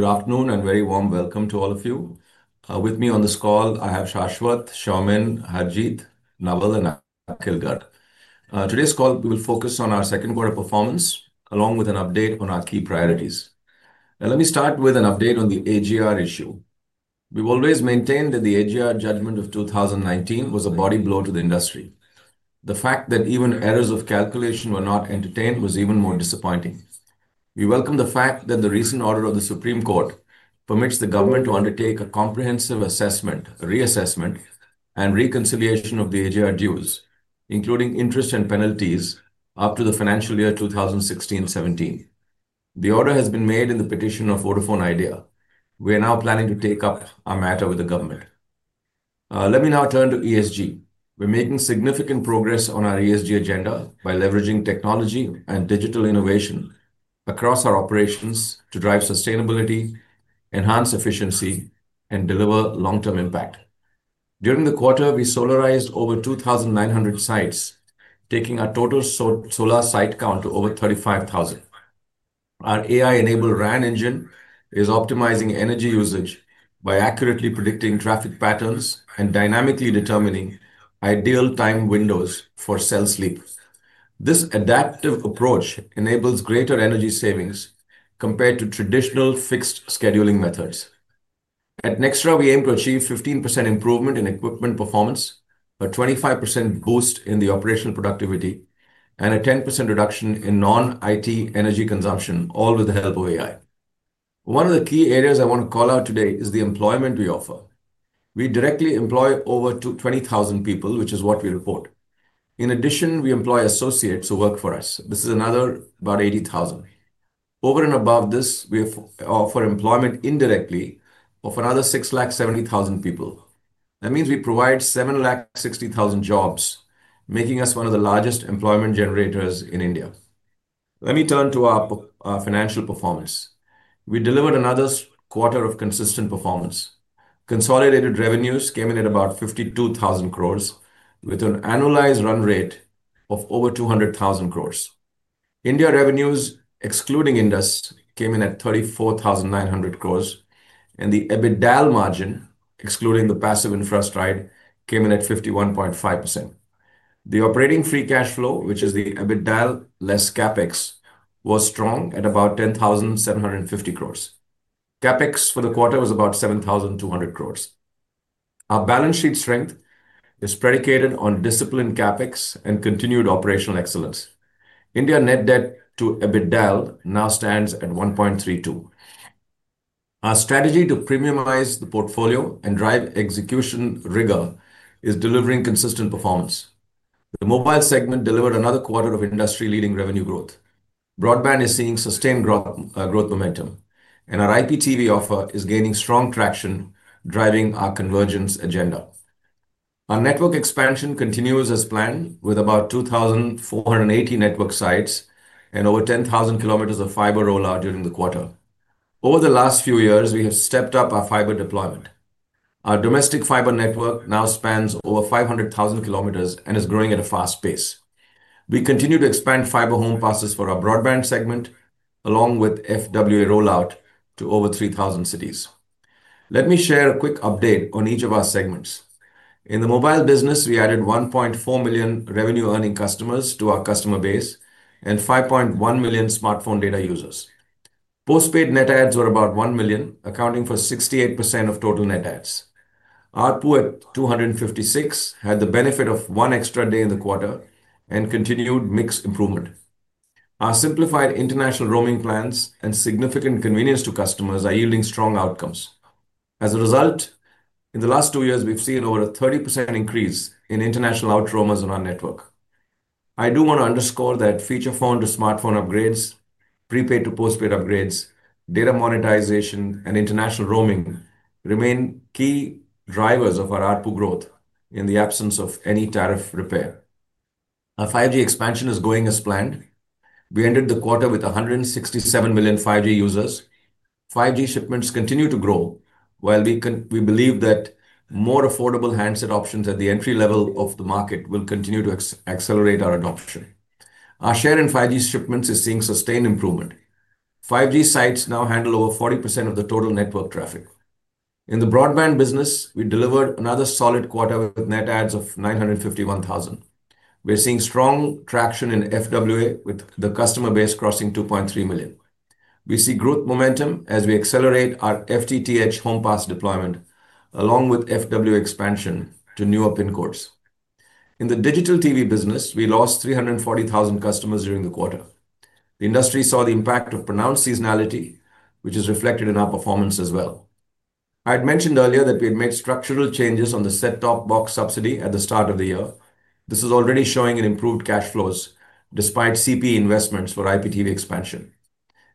Good afternoon and very warm welcome to all of you. With me on this call, I have Shashwat, Soumen, Harjeet, Naval, and Akhil Garg. Today's call, we will focus on our second quarter performance, along with an update on our key priorities. Let me start with an update on the AGR issue. We've always maintained that the AGR judgment of 2019 was a body blow to the industry. The fact that even errors of calculation were not entertained was even more disappointing. We welcome the fact that the recent order of the Supreme Court permits the government to undertake a comprehensive assessment, reassessment, and reconciliation of the AGR dues, including interest and penalties, up to the financial year 2016-2017. The order has been made in the petition of Vodafone Idea. We are now planning to take up our matter with the government. Let me now turn to ESG. We're making significant progress on our ESG agenda by leveraging technology and digital innovation across our operations to drive sustainability, enhance efficiency, and deliver long-term impact. During the quarter, we solarized over 2,900 sites, taking our total solar site count to over 35,000. Our AI-enabled RAN engine is optimizing energy usage by accurately predicting traffic patterns and dynamically determining ideal time windows for cell sleep. This adaptive approach enables greater energy savings compared to traditional fixed scheduling methods. At Nxtra, we aim to achieve 15% improvement in equipment performance, a 25% boost in the operational productivity, and a 10% reduction in non-IT energy consumption, all with the help of AI. One of the key areas I want to call out today is the employment we offer. We directly employ over 20,000 people, which is what we report. In addition, we employ associates who work for us. This is another about 80,000. Over and above this, we offer employment indirectly of another 670,000 people. That means we provide 760,000 jobs, making us one of the largest employment generators in India. Let me turn to our financial performance. We delivered another quarter of consistent performance. Consolidated revenues came in at about 52,000 crore, with an annualized run rate of over 200,000 crore. India revenues, excluding Indus Towers, came in at 34,900 crore, and the EBITDA margin, excluding the passive interest rate, came in at 51.5%. The operating free cash flow, which is the EBITDA less CapEx, was strong at about 10,750 crore. CapEx for the quarter was about 7,200 crore. Our balance sheet strength is predicated on disciplined CapEx and continued operational excellence. India net debt to EBITDA now stands at 1.32. Our strategy to premiumize the portfolio and drive execution rigor is delivering consistent performance. The mobile segment delivered another quarter of industry-leading revenue growth. Broadband is seeing sustained growth momentum, and our IPTV offer is gaining strong traction, driving our convergence agenda. Our network expansion continues as planned, with about 2,480 network sites and over 10,000 km of fiber rollout during the quarter. Over the last few years, we have stepped up our fiber deployment. Our domestic fiber network now spans over 500,000 kilometers and is growing at a fast pace. We continue to expand fiber home passes for our broadband segment, along with FWA rollout to over 3,000 cities. Let me share a quick update on each of our segments. In the mobile business, we added 1.4 million revenue-earning customers to our customer base and 5.1 million smartphone data users. Postpaid net adds were about 1 million, accounting for 68% of total net adds. Our ARPU 256 had the benefit of one extra day in the quarter and continued mixed improvement. Our simplified international roaming plans and significant convenience to customers are yielding strong outcomes. As a result, in the last two years, we've seen over a 30% increase in international outroamers on our network. I do want to underscore that feature-phone to smartphone upgrades, prepaid to postpaid upgrades, data monetization, and international roaming remain key drivers of our ARPU growth in the absence of any tariff repair. Our 5G expansion is going as planned. We ended the quarter with 167 million 5G users. 5G shipments continue to grow, while we believe that more affordable handset options at the entry level of the market will continue to accelerate our adoption. Our share in 5G shipments is seeing sustained improvement. 5G sites now handle over 40% of the total network traffic. In the broadband business, we delivered another solid quarter with net adds of 951,000. We're seeing strong traction in FWA, with the customer base crossing 2.3 million. We see growth momentum as we accelerate our FTTH home pass deployment, along with FWA expansion to newer pin codes. In the digital TV business, we lost 340,000 customers during the quarter. The industry saw the impact of pronounced seasonality, which is reflected in our performance as well. I had mentioned earlier that we had made structural changes on the set-top box subsidy at the start of the year. This is already showing improved cash flows despite CPE investments for IPTV expansion.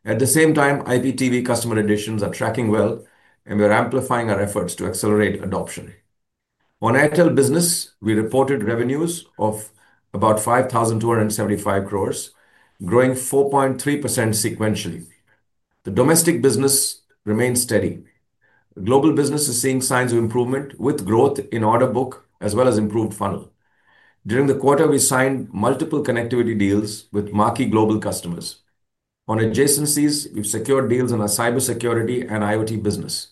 At the same time, IPTV customer additions are tracking well, and we are amplifying our efforts to accelerate adoption. On Airtel Business, we reported revenues of about 5,275 crore, growing 4.3% sequentially. The domestic business remains steady. Global business is seeing signs of improvement with growth in order book as well as improved funnel. During the quarter, we signed multiple connectivity deals with marquee global customers. On adjacencies, we've secured deals in our cybersecurity and IoT business.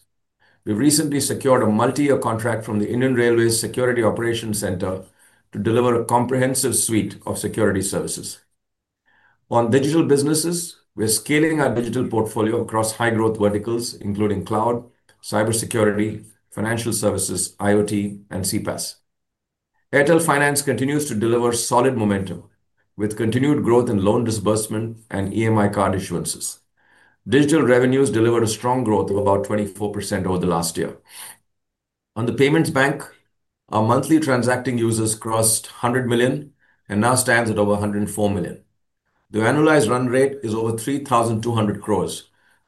We've recently secured a multi-year contract from the Indian Railways Security Operations Center to deliver a comprehensive suite of security services. On digital businesses, we're scaling our digital portfolio across high-growth verticals, including cloud, cybersecurity, financial services, IoT, and CPaaS. Airtel Finance continues to deliver solid momentum with continued growth in loan disbursement and EMI card issuances. Digital revenues delivered a strong growth of about 24% over the last year. On the payments bank, our monthly transacting users crossed 100 million and now stands at over 104 million. The annualized run rate is over 3,200 crore,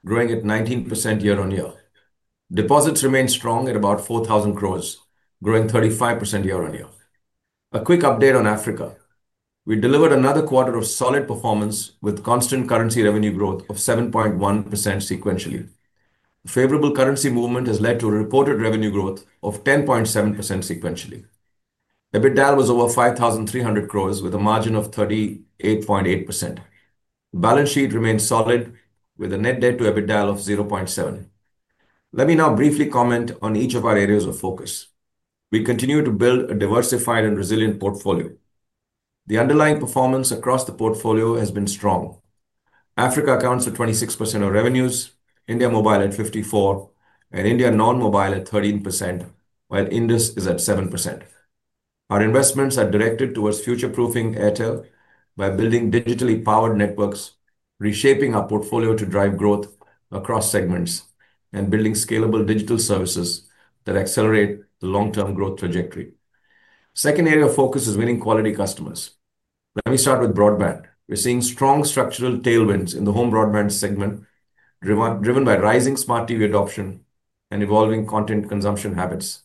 growing at 19% year-on-year. Deposits remain strong at about 4,000 crore, growing 35% year-on-year. A quick update on Africa. We delivered another quarter of solid performance with constant currency revenue growth of 7.1% sequentially. Favorable currency movement has led to a reported revenue growth of 10.7% sequentially. EBITDA was over 5,300 crore with a margin of 38.8%. Balance sheet remains solid with a net debt to EBITDA of 0.7. Let me now briefly comment on each of our areas of focus. We continue to build a diversified and resilient portfolio. The underlying performance across the portfolio has been strong. Africa accounts for 26% of revenues, India mobile at 54%, and India non-mobile at 13%, while Indus is at 7%. Our investments are directed towards future-proofing Airtel by building digitally powered networks, reshaping our portfolio to drive growth across segments, and building scalable digital services that accelerate the long-term growth trajectory. Second area of focus is winning quality customers. Let me start with broadband. We're seeing strong structural tailwinds in the home broadband segment, driven by rising smart TV adoption and evolving content consumption habits.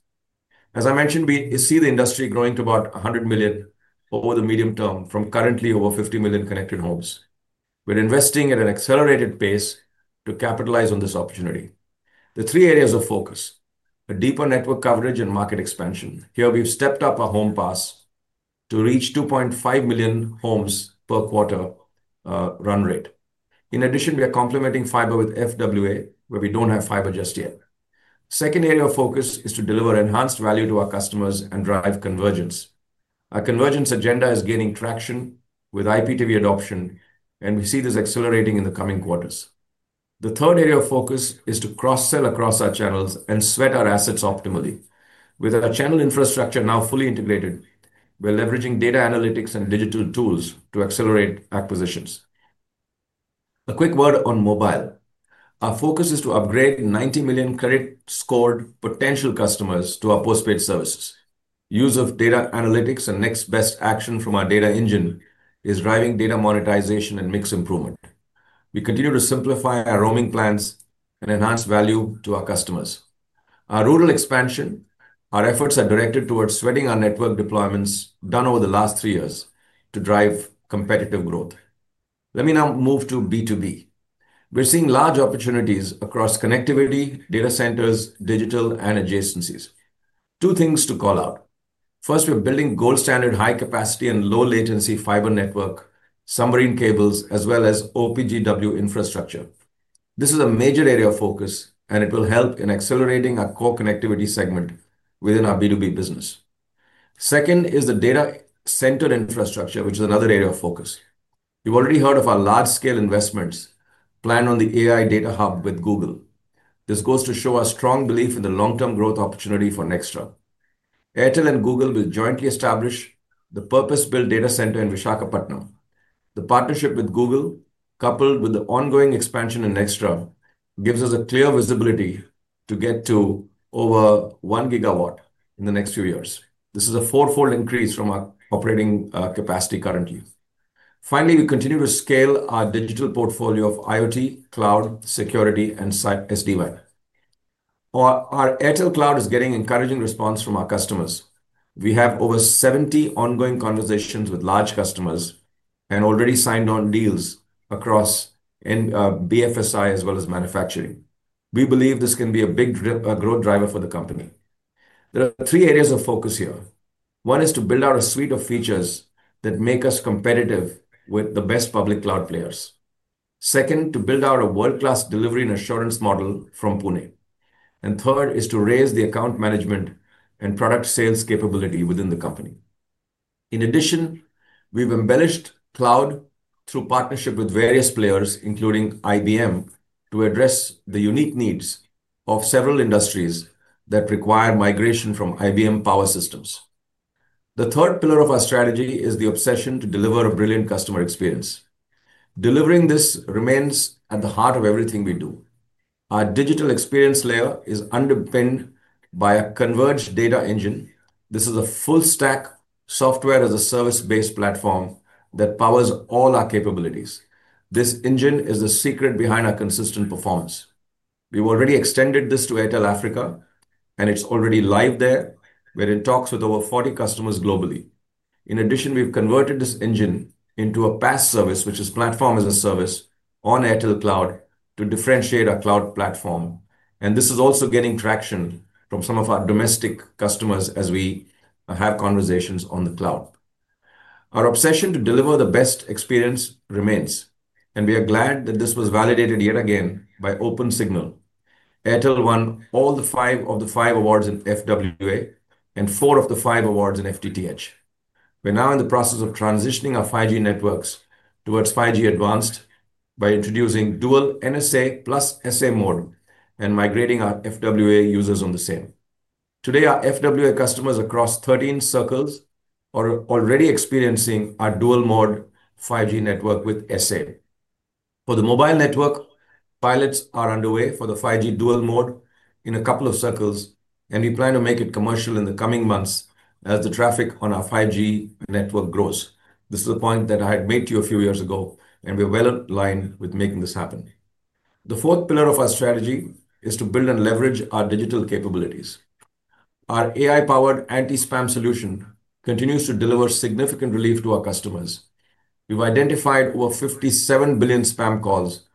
As I mentioned, we see the industry growing to about 100 million over the medium term from currently over 50 million connected homes. We're investing at an accelerated pace to capitalize on this opportunity. The three areas of focus: a deeper network coverage and market expansion. Here, we've stepped up our home pass to reach 2.5 million homes per quarter run rate. In addition, we are complementing fiber with FWA, where we don't have fiber just yet. Second area of focus is to deliver enhanced value to our customers and drive convergence. Our convergence agenda is gaining traction with IPTV adoption, and we see this accelerating in the coming quarters. The third area of focus is to cross-sell across our channels and sweat our assets optimally. With our channel infrastructure now fully integrated, we're leveraging data analytics and digital tools to accelerate acquisitions. A quick word on mobile. Our focus is to upgrade 90 million credit-scored potential customers to our postpaid services. Use of data analytics and next best action from our data engine is driving data monetization and mix improvement. We continue to simplify our roaming plans and enhance value to our customers. Our rural expansion, our efforts are directed towards sweating our network deployments done over the last three years to drive competitive growth. Let me now move to B2B. We're seeing large opportunities across connectivity, data centers, digital, and adjacencies. Two things to call out. First, we're building gold-standard high-capacity and low-latency fiber network, submarine cables, as well as OPGW infrastructure. This is a major area of focus, and it will help in accelerating our core connectivity segment within our B2B business. Second is the data center infrastructure, which is another area of focus. You've already heard of our large-scale investments planned on the AI data hub with Google. This goes to show our strong belief in the long-term growth opportunity for Nxtra. Airtel and Google will jointly establish the purpose-built data center in Vishakhapatnam. The partnership with Google, coupled with the ongoing expansion in Nxtra, gives us a clear visibility to get to over 1 gigawatt in the next few years. This is a four-fold increase from our operating capacity currently. Finally, we continue to scale our digital portfolio of IoT, cloud, security, and SD-WAN. Our Airtel Cloud is getting encouraging response from our customers. We have over 70 ongoing conversations with large customers and already signed on deals across BFSI as well as manufacturing. We believe this can be a big growth driver for the company. There are three areas of focus here. One is to build out a suite of features that make us competitive with the best public cloud players. Second, to build out a world-class delivery and assurance model from Pune. Third is to raise the account management and product sales capability within the company. In addition, we've embellished cloud through partnership with various players, including IBM, to address the unique needs of several industries that require migration from IBM power systems. The third pillar of our strategy is the obsession to deliver a brilliant customer experience. Delivering this remains at the heart of everything we do. Our digital experience layer is underpinned by a converged data engine. This is a full-stack software-as-a-service-based platform that powers all our capabilities. This engine is the secret behind our consistent performance. We've already extended this to Airtel Africa, and it's already live there, where it talks with over 40 customers globally. In addition, we've converted this engine into a PaaS service, which is platform-as-a-service on Airtel Cloud to differentiate our cloud platform. This is also getting traction from some of our domestic customers as we have conversations on the cloud. Our obsession to deliver the best experience remains, and we are glad that this was validated yet again by Opensignal. Airtel won all the five of the five awards in FWA and four of the five awards in FTTH. We're now in the process of transitioning our 5G networks towards 5G advanced by introducing dual NSA plus SA mode and migrating our FWA users on the same. Today, our FWA customers across 13 circles are already experiencing our dual-mode 5G network with SA. For the mobile network, pilots are underway for the 5G dual mode in a couple of circles, and we plan to make it commercial in the coming months as the traffic on our 5G network grows. This is a point that I had made to you a few years ago, and we're well aligned with making this happen. The fourth pillar of our strategy is to build and leverage our digital capabilities. Our AI-powered anti-spam solution continues to deliver significant relief to our customers. We've identified over 57 billion spam calls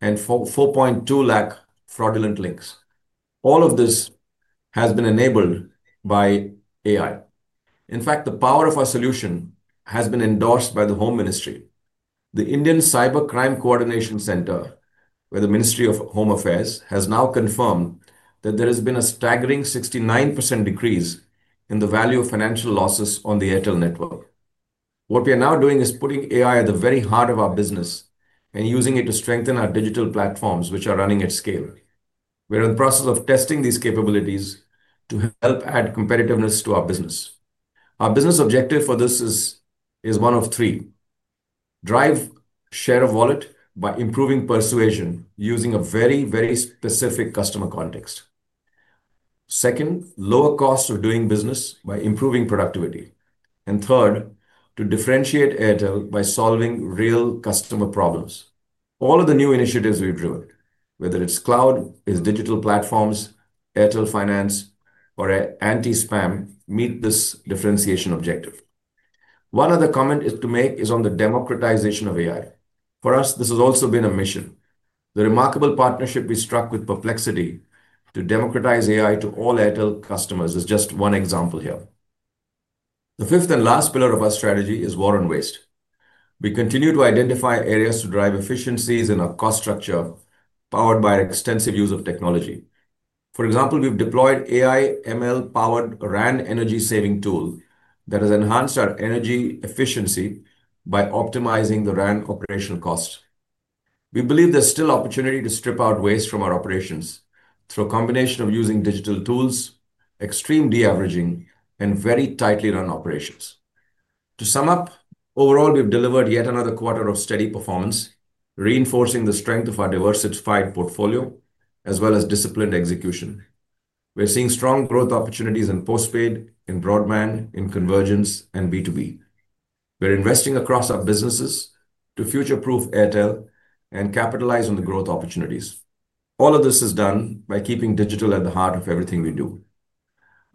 and 4.2 lakh fraudulent links. All of this has been enabled by AI. In fact, the power of our solution has been endorsed by the Home Ministry. The Indian Cybercrime Coordination Center, where the Ministry of Home Affairs has now confirmed that there has been a staggering 69% decrease in the value of financial losses on the Airtel network. What we are now doing is putting AI at the very heart of our business and using it to strengthen our digital platforms, which are running at scale. We're in the process of testing these capabilities to help add competitiveness to our business. Our business objective for this is one of three. Drive share of wallet by improving persuasion using a very, very specific customer context. Second, lower cost of doing business by improving productivity. Third, to differentiate Airtel by solving real customer problems. All of the new initiatives we've driven, whether it's cloud, it's digital platforms, Airtel Finance, or anti-spam, meet this differentiation objective. One other comment to make is on the democratization of AI. For us, this has also been a mission. The remarkable partnership we struck with Perplexity to democratize AI to all Airtel customers is just one example here. The fifth and last pillar of our strategy is war on waste. We continue to identify areas to drive efficiencies in our cost structure powered by extensive use of technology. For example, we've deployed AI/ML-powered RAN energy-saving tool that has enhanced our energy efficiency by optimizing the RAN operational cost. We believe there's still opportunity to strip out waste from our operations through a combination of using digital tools, extreme de-averaging, and very tightly run operations. To sum up, overall, we've delivered yet another quarter of steady performance, reinforcing the strength of our diversified portfolio as well as disciplined execution. We're seeing strong growth opportunities in postpaid, in broadband, in convergence, and B2B. We're investing across our businesses to future-proof Airtel and capitalize on the growth opportunities. All of this is done by keeping digital at the heart of everything we do.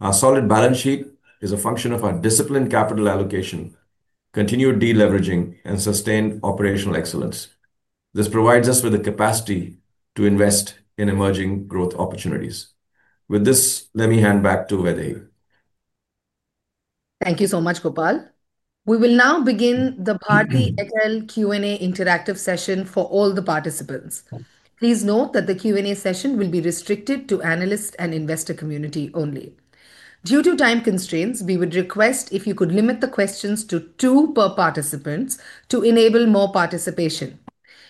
Our solid balance sheet is a function of our disciplined capital allocation, continued de-leveraging, and sustained operational excellence. This provides us with the capacity to invest in emerging growth opportunities. With this, let me hand back to Vaidehi. Thank you so much, Gopal. We will now begin the Bharti Airtel Q&A interactive session for all the participants. Please note that the Q&A session will be restricted to the analyst and investor community only. Due to time constraints, we would request if you could limit the questions to two per participant to enable more participation.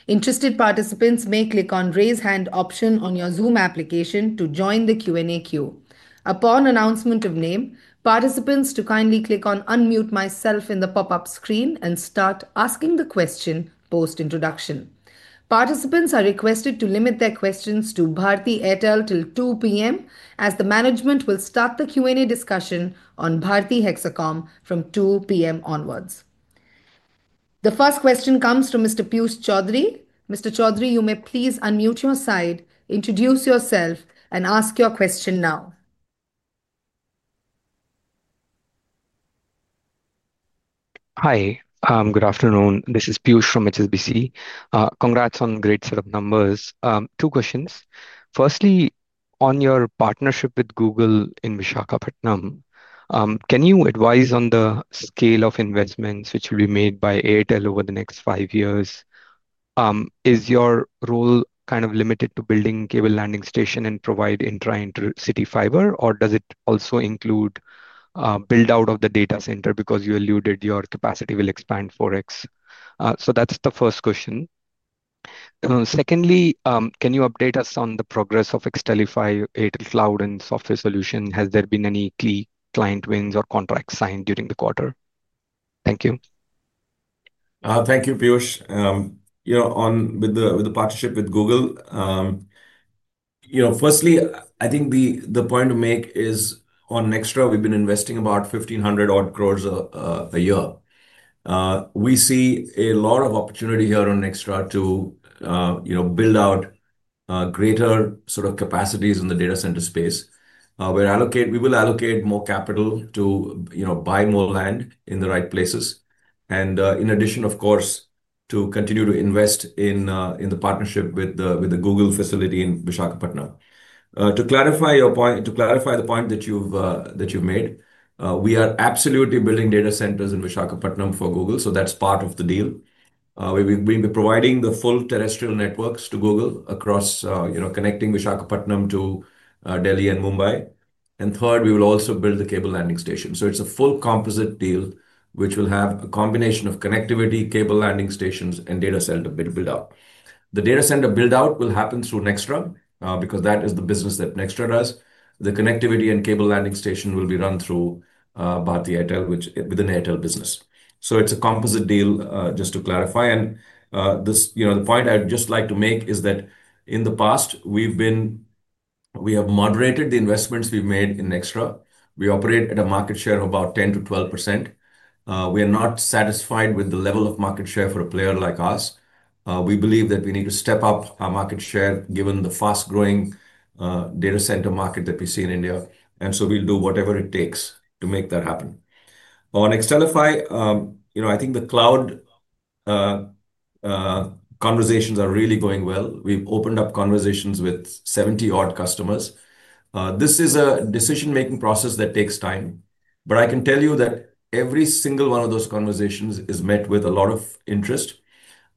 Interested participants may click on the raise hand option on your Zoom application to join the Q&A queue. Upon announcement of name, participants to kindly click on unmute myself in the pop-up screen and start asking the question post-introduction. Participants are requested to limit their questions to Bharti Airtel till 2:00 P.M., as the management will start the Q&A discussion on Bharti Hexacom from 2:00 P.M. onwards. The first question comes from Mr. Piyush Choudhary. Mr. Choudhary, you may please unmute your side, introduce yourself, and ask your question now. Hi. Good afternoon. This is Piyush from HSBC. Congrats on a great set of numbers. Two questions. Firstly, on your partnership with Google in Vishakhapatnam. Can you advise on the scale of investments which will be made by Airtel over the next five years? Is your role kind of limited to building a cable landing station and providing intra-intercity fiber, or does it also include build-out of the data center because you alluded your capacity will expand 4x? That is the first question. Secondly, can you update us on the progress of Xtelify Airtel Cloud and software solution? Has there been any key client wins or contracts signed during the quarter? Thank you. Thank you, Piyush. With the partnership with Google. Firstly, I think the point to make is on Nxtra, we have been investing about 1,500 crore a year. We see a lot of opportunity here on Nxtra to build out greater sort of capacities in the data center space. We will allocate more capital to buy more land in the right places. In addition, of course, to continue to invest in the partnership with the Google facility in Vishakhapatnam. To clarify your point, to clarify the point that you have made, we are absolutely building data centers in Vishakhapatnam for Google. That is part of the deal. We will be providing the full terrestrial networks to Google across connecting Vishakhapatnam to Delhi and Mumbai. Third, we will also build the cable landing station. It is a full composite deal, which will have a combination of connectivity, cable landing stations, and data center build-out. The data center build-out will happen through Nxtra because that is the business that Nxtra does. The connectivity and cable landing station will be run through Bharti Airtel, which is within the Airtel Business. It is a composite deal, just to clarify. The point I would just like to make is that in the past, we have moderated the investments we have made in Nxtra. We operate at a market share of about 10%-12%. We are not satisfied with the level of market share for a player like us. We believe that we need to step up our market share given the fast-growing data center market that we see in India. We will do whatever it takes to make that happen. On Xtelify, I think the cloud conversations are really going well. We have opened up conversations with 70 odd customers. This is a decision-making process that takes time. I can tell you that every single one of those conversations is met with a lot of interest.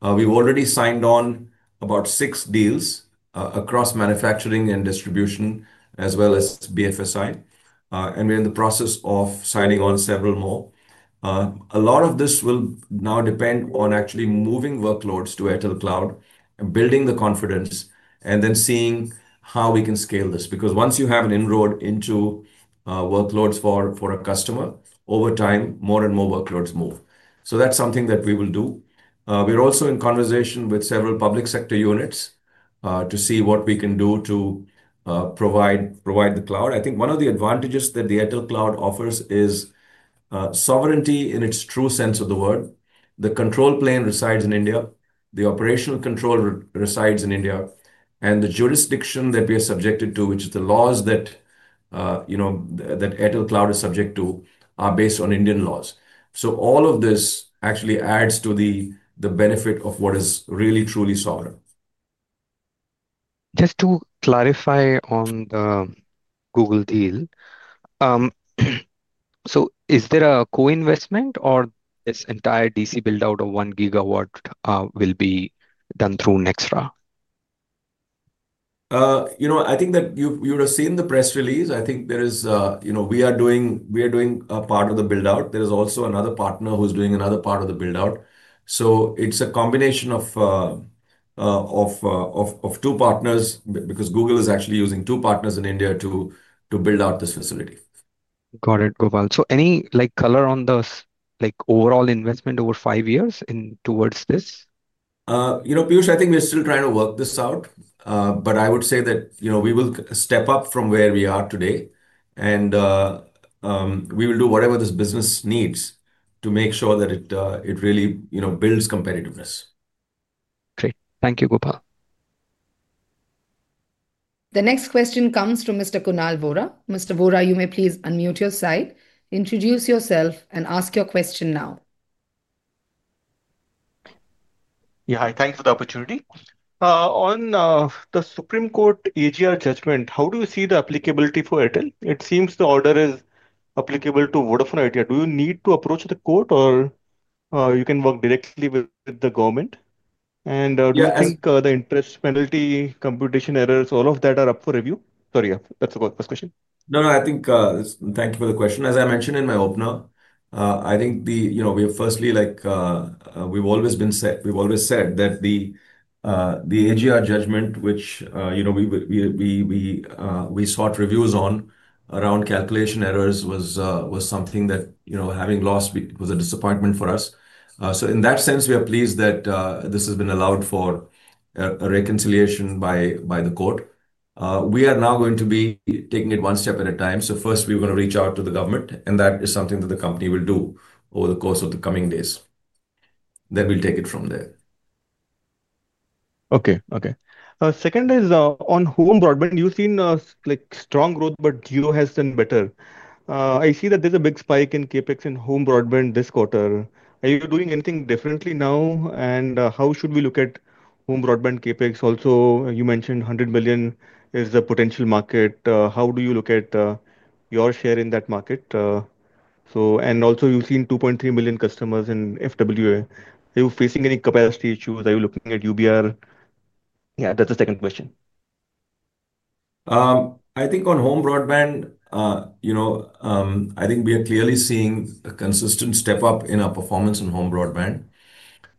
We've already signed on about six deals across manufacturing and distribution, as well as BFSI. We're in the process of signing on several more. A lot of this will now depend on actually moving workloads to Airtel Cloud and building the confidence and then seeing how we can scale this. Because once you have an inroad into workloads for a customer, over time, more and more workloads move. That's something that we will do. We're also in conversation with several public sector units to see what we can do to provide the cloud. I think one of the advantages that the Airtel Cloud offers is sovereignty in its true sense of the word. The control plane resides in India. The operational control resides in India. The jurisdiction that we are subjected to, which is the laws that Airtel Cloud is subject to, are based on Indian laws. All of this actually adds to the benefit of what is really, truly sovereign. Just to clarify on the Google deal. Is there a co-investment or this entire DC build-out of 1 GW will be done through Nxtra? I think that you would have seen the press release. I think there is. We are doing a part of the build-out. There is also another partner who's doing another part of the build-out. It's a combination of two partners because Google is actually using two partners in India to build out this facility. Got it, Gopal. Any color on the overall investment over five years towards this? Piyush, I think we're still trying to work this out. I would say that we will step up from where we are today. We will do whatever this business needs to make sure that it really builds competitiveness. Great. Thank you, Gopal. The next question comes from Mr. Kunal Vora. Mr. Vora, you may please unmute your side, introduce yourself, and ask your question now. Yeah, thanks for the opportunity. On the Supreme Court AGR judgment, how do you see the applicability for Airtel? It seems the order is applicable to Vodafone Idea. Do you need to approach the court, or you can work directly with the government? Do you think the interest penalty computation errors, all of that are up for review? Sorry, that's the first question. No, no, thank you for the question. As I mentioned in my opener, I think we have firstly. We've always been set. We've always said that the AGR judgment, which we sought reviews on around calculation errors, was something that having lost was a disappointment for us. In that sense, we are pleased that this has been allowed for a reconciliation by the court. We are now going to be taking it one step at a time. First, we're going to reach out to the government. That is something that the company will do over the course of the coming days. Okay, okay. Second is on home broadband, you've seen strong growth, but Jio has been better. I see that there's a big spike in CapEx in home broadband this quarter. Are you doing anything differently now? And how should we look at home broadband CapEx? Also, you mentioned 100 million is the potential market. How do you look at your share in that market? And also, you've seen 2.3 million customers in FWA. Are you facing any capacity issues? Are you looking at UBR? Yeah, that's the second question. I think on home broadband. I think we are clearly seeing a consistent step up in our performance in home broadband.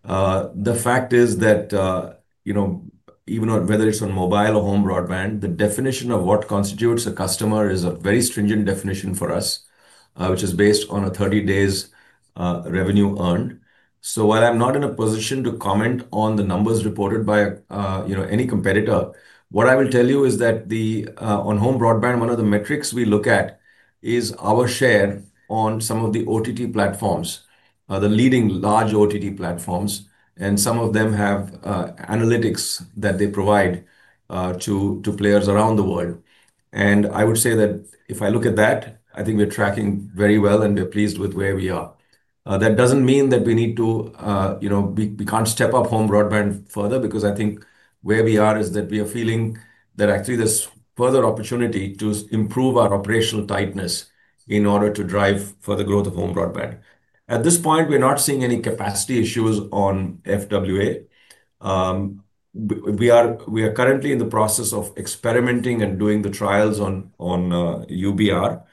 The fact is that even whether it's on mobile or home broadband, the definition of what constitutes a customer is a very stringent definition for us, which is based on a 30-day revenue earned. So while I'm not in a position to comment on the numbers reported by any competitor, what I will tell you is that on home broadband, one of the metrics we look at is our share on some of the OTT platforms, the leading large OTT platforms. And some of them have analytics that they provide to players around the world. I would say that if I look at that, I think we're tracking very well and we're pleased with where we are. That doesn't mean that we can't step up home broadband further because I think where we are is that we are feeling that actually there's further opportunity to improve our operational tightness in order to drive further growth of home broadband. At this point, we're not seeing any capacity issues on FWA. We are currently in the process of experimenting and doing the trials on UBR.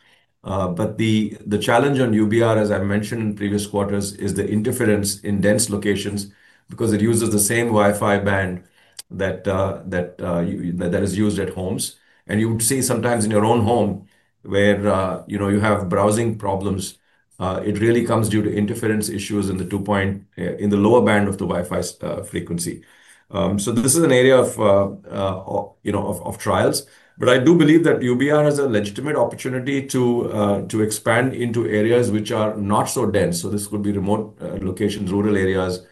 The challenge on UBR, as I mentioned in previous quarters, is the interference in dense locations because it uses the same Wi-Fi band that is used at homes. You would see sometimes in your own home where you have browsing problems. It really comes due to interference issues in the lower band of the Wi-Fi frequency. This is an area of trials. I do believe that UBR has a legitimate opportunity to expand into areas which are not so dense. This could be remote locations, rural areas,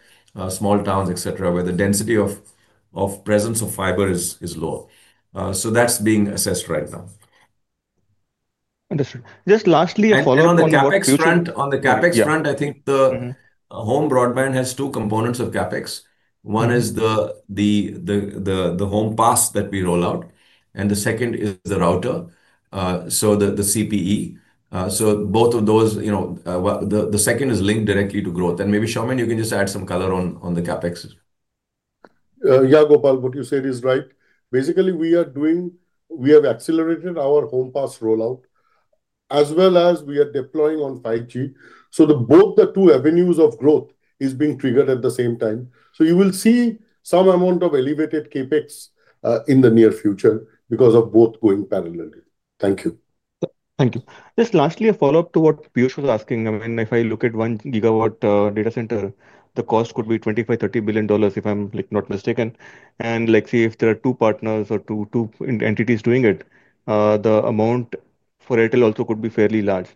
small towns, etc., where the density of presence of fiber is low. That's being assessed right now. Understood. Just lastly, a follow-up on the CapEx. On the CapEx front, I think the home broadband has two components of CapEx. One is the home pass that we roll out. The second is the router, so the CPE. Both of those. The second is linked directly to growth. Maybe, Soumen, you can just add some color on the CapEx. Yeah, Gopal, what you said is right. Basically, we have accelerated our home pass rollout as well as we are deploying on 5G. Both the two avenues of growth are being triggered at the same time. You will see some amount of elevated CapEx in the near future because of both going parallel. Thank you. Thank you. Just lastly, a follow-up to what Piyush was asking. I mean, if I look at one gigawatt data center, the cost could be $25 billion-$30 billion, if I'm not mistaken. If there are two partners or two entities doing it, the amount for Airtel also could be fairly large.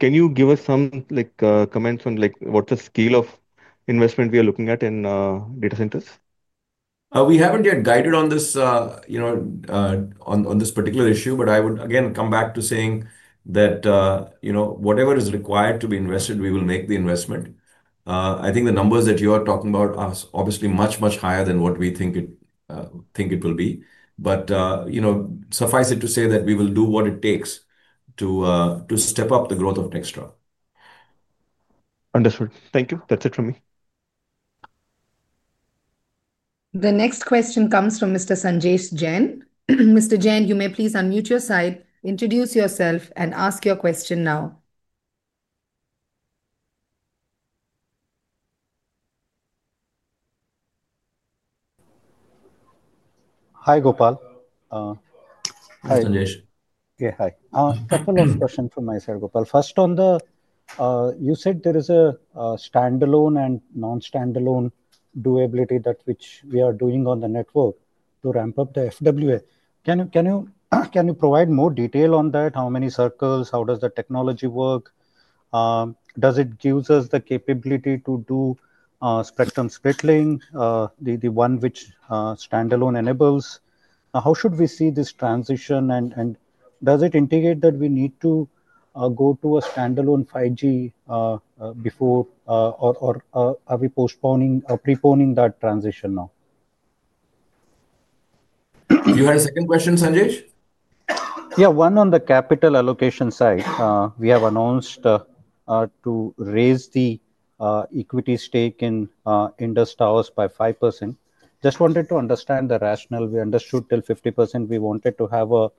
Can you give us some comments on what is the scale of investment we are looking at in data centers? We have not yet guided on this particular issue, but I would, again, come back to saying that whatever is required to be invested, we will make the investment. I think the numbers that you are talking about are obviously much, much higher than what we think it will be. Suffice it to say that we will do what it takes to step up the growth of Nxtra. Understood. Thank you. That is it from me. The next question comes from Mr. Sanjesh Jain. Mr. Jain, you may please unmute your side, introduce yourself, and ask your question now. Hi, Gopal. Hi, Sanjesh. Okay, hi. A couple of questions from my side, Gopal. First, you said there is a standalone and non-standalone doability that we are doing on the network to ramp up the FWA. Can you provide more detail on that? How many circles? How does the technology work? Does it give us the capability to do spectrum split link, the one which standalone enables? How should we see this transition? Does it indicate that we need to go to a standalone 5G before, or are we preponing that transition now? You had a second question, Sanjesh? Yeah, one on the capital allocation side. We have announced to raise the equity stake in Indus Towers by 5%. Just wanted to understand the rationale. We understood till 50%. We wanted to have a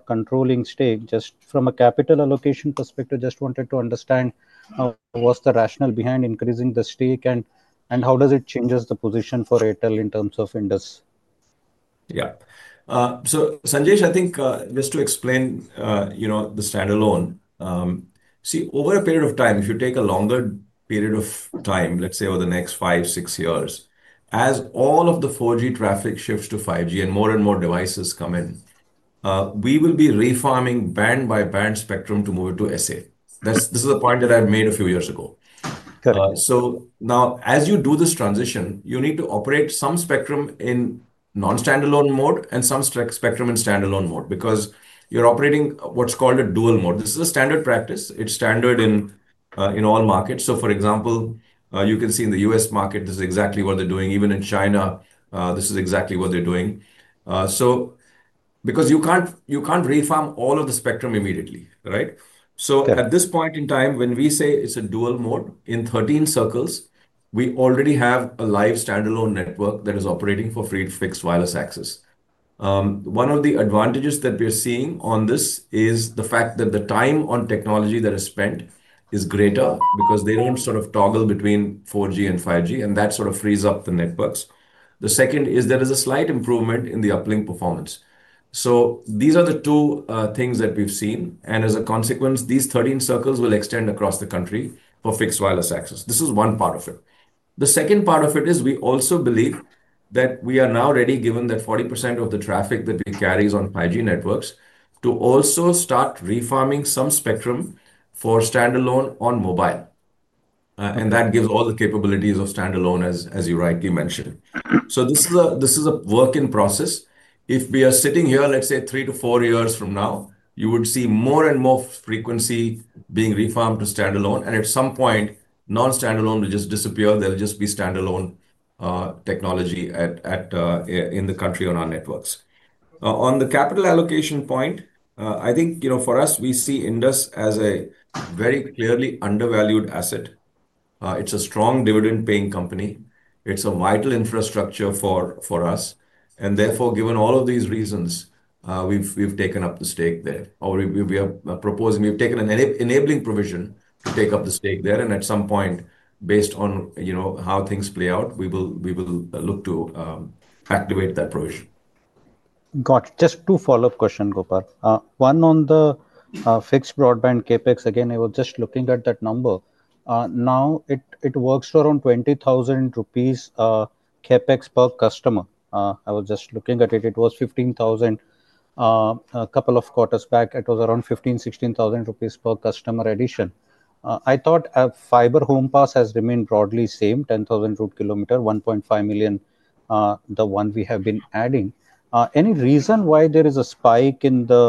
controlling stake. Just from a capital allocation perspective, just wanted to understand what is the rationale behind increasing the stake and how does it change the position for Airtel in terms of Indus? Yeah. Sanjesh, I think just to explain, the standalone. Over a period of time, if you take a longer period of time, let's say over the next five, six years, as all of the 4G traffic shifts to 5G and more and more devices come in, we will be refarming band by band spectrum to move it to SA. This is a point that I have made a few years ago. Now, as you do this transition, you need to operate some spectrum in non-standalone mode and some spectrum in standalone mode because you are operating what is called a dual mode. This is a standard practice. It is standard in all markets. For example, you can see in the U.S. market, this is exactly what they're doing. Even in China, this is exactly what they're doing. Because you can't refarm all of the spectrum immediately, right? At this point in time, when we say it's a dual mode in 13 circles, we already have a live standalone network that is operating for free to fixed wireless access. One of the advantages that we're seeing on this is the fact that the time on technology that is spent is greater because they don't sort of toggle between 4G and 5G, and that sort of frees up the networks. The second is there is a slight improvement in the uplink performance. These are the two things that we've seen. As a consequence, these 13 circles will extend across the country for fixed wireless access. This is one part of it. The second part of it is we also believe that we are now ready, given that 40% of the traffic that we carry is on 5G networks, to also start refarming some spectrum for standalone on mobile. That gives all the capabilities of standalone, as you rightly mentioned. This is a work in process. If we are sitting here, let's say three to four years from now, you would see more and more frequency being refarmed to standalone. At some point, non-standalone will just disappear. There will just be standalone technology in the country on our networks. On the capital allocation point, I think for us, we see Indus as a very clearly undervalued asset. It's a strong dividend-paying company. It's a vital infrastructure for us. Therefore, given all of these reasons, we've taken up the stake there, or we have proposed we've taken an enabling provision to take up the stake there. At some point, based on how things play out, we will look to activate that provision. Got it. Just two follow-up questions, Gopal. One on the fixed broadband CapEx. Again, I was just looking at that number. Now, it works to around 20,000 rupees CapEx per customer. I was just looking at it. It was 15,000. A couple of quarters back, it was around 15,000-16,000 rupees per customer addition. I thought fiber home pass has remained broadly the same, 10,000 per kilometer, 1.5 million, the one we have been adding. Any reason why there is a spike in the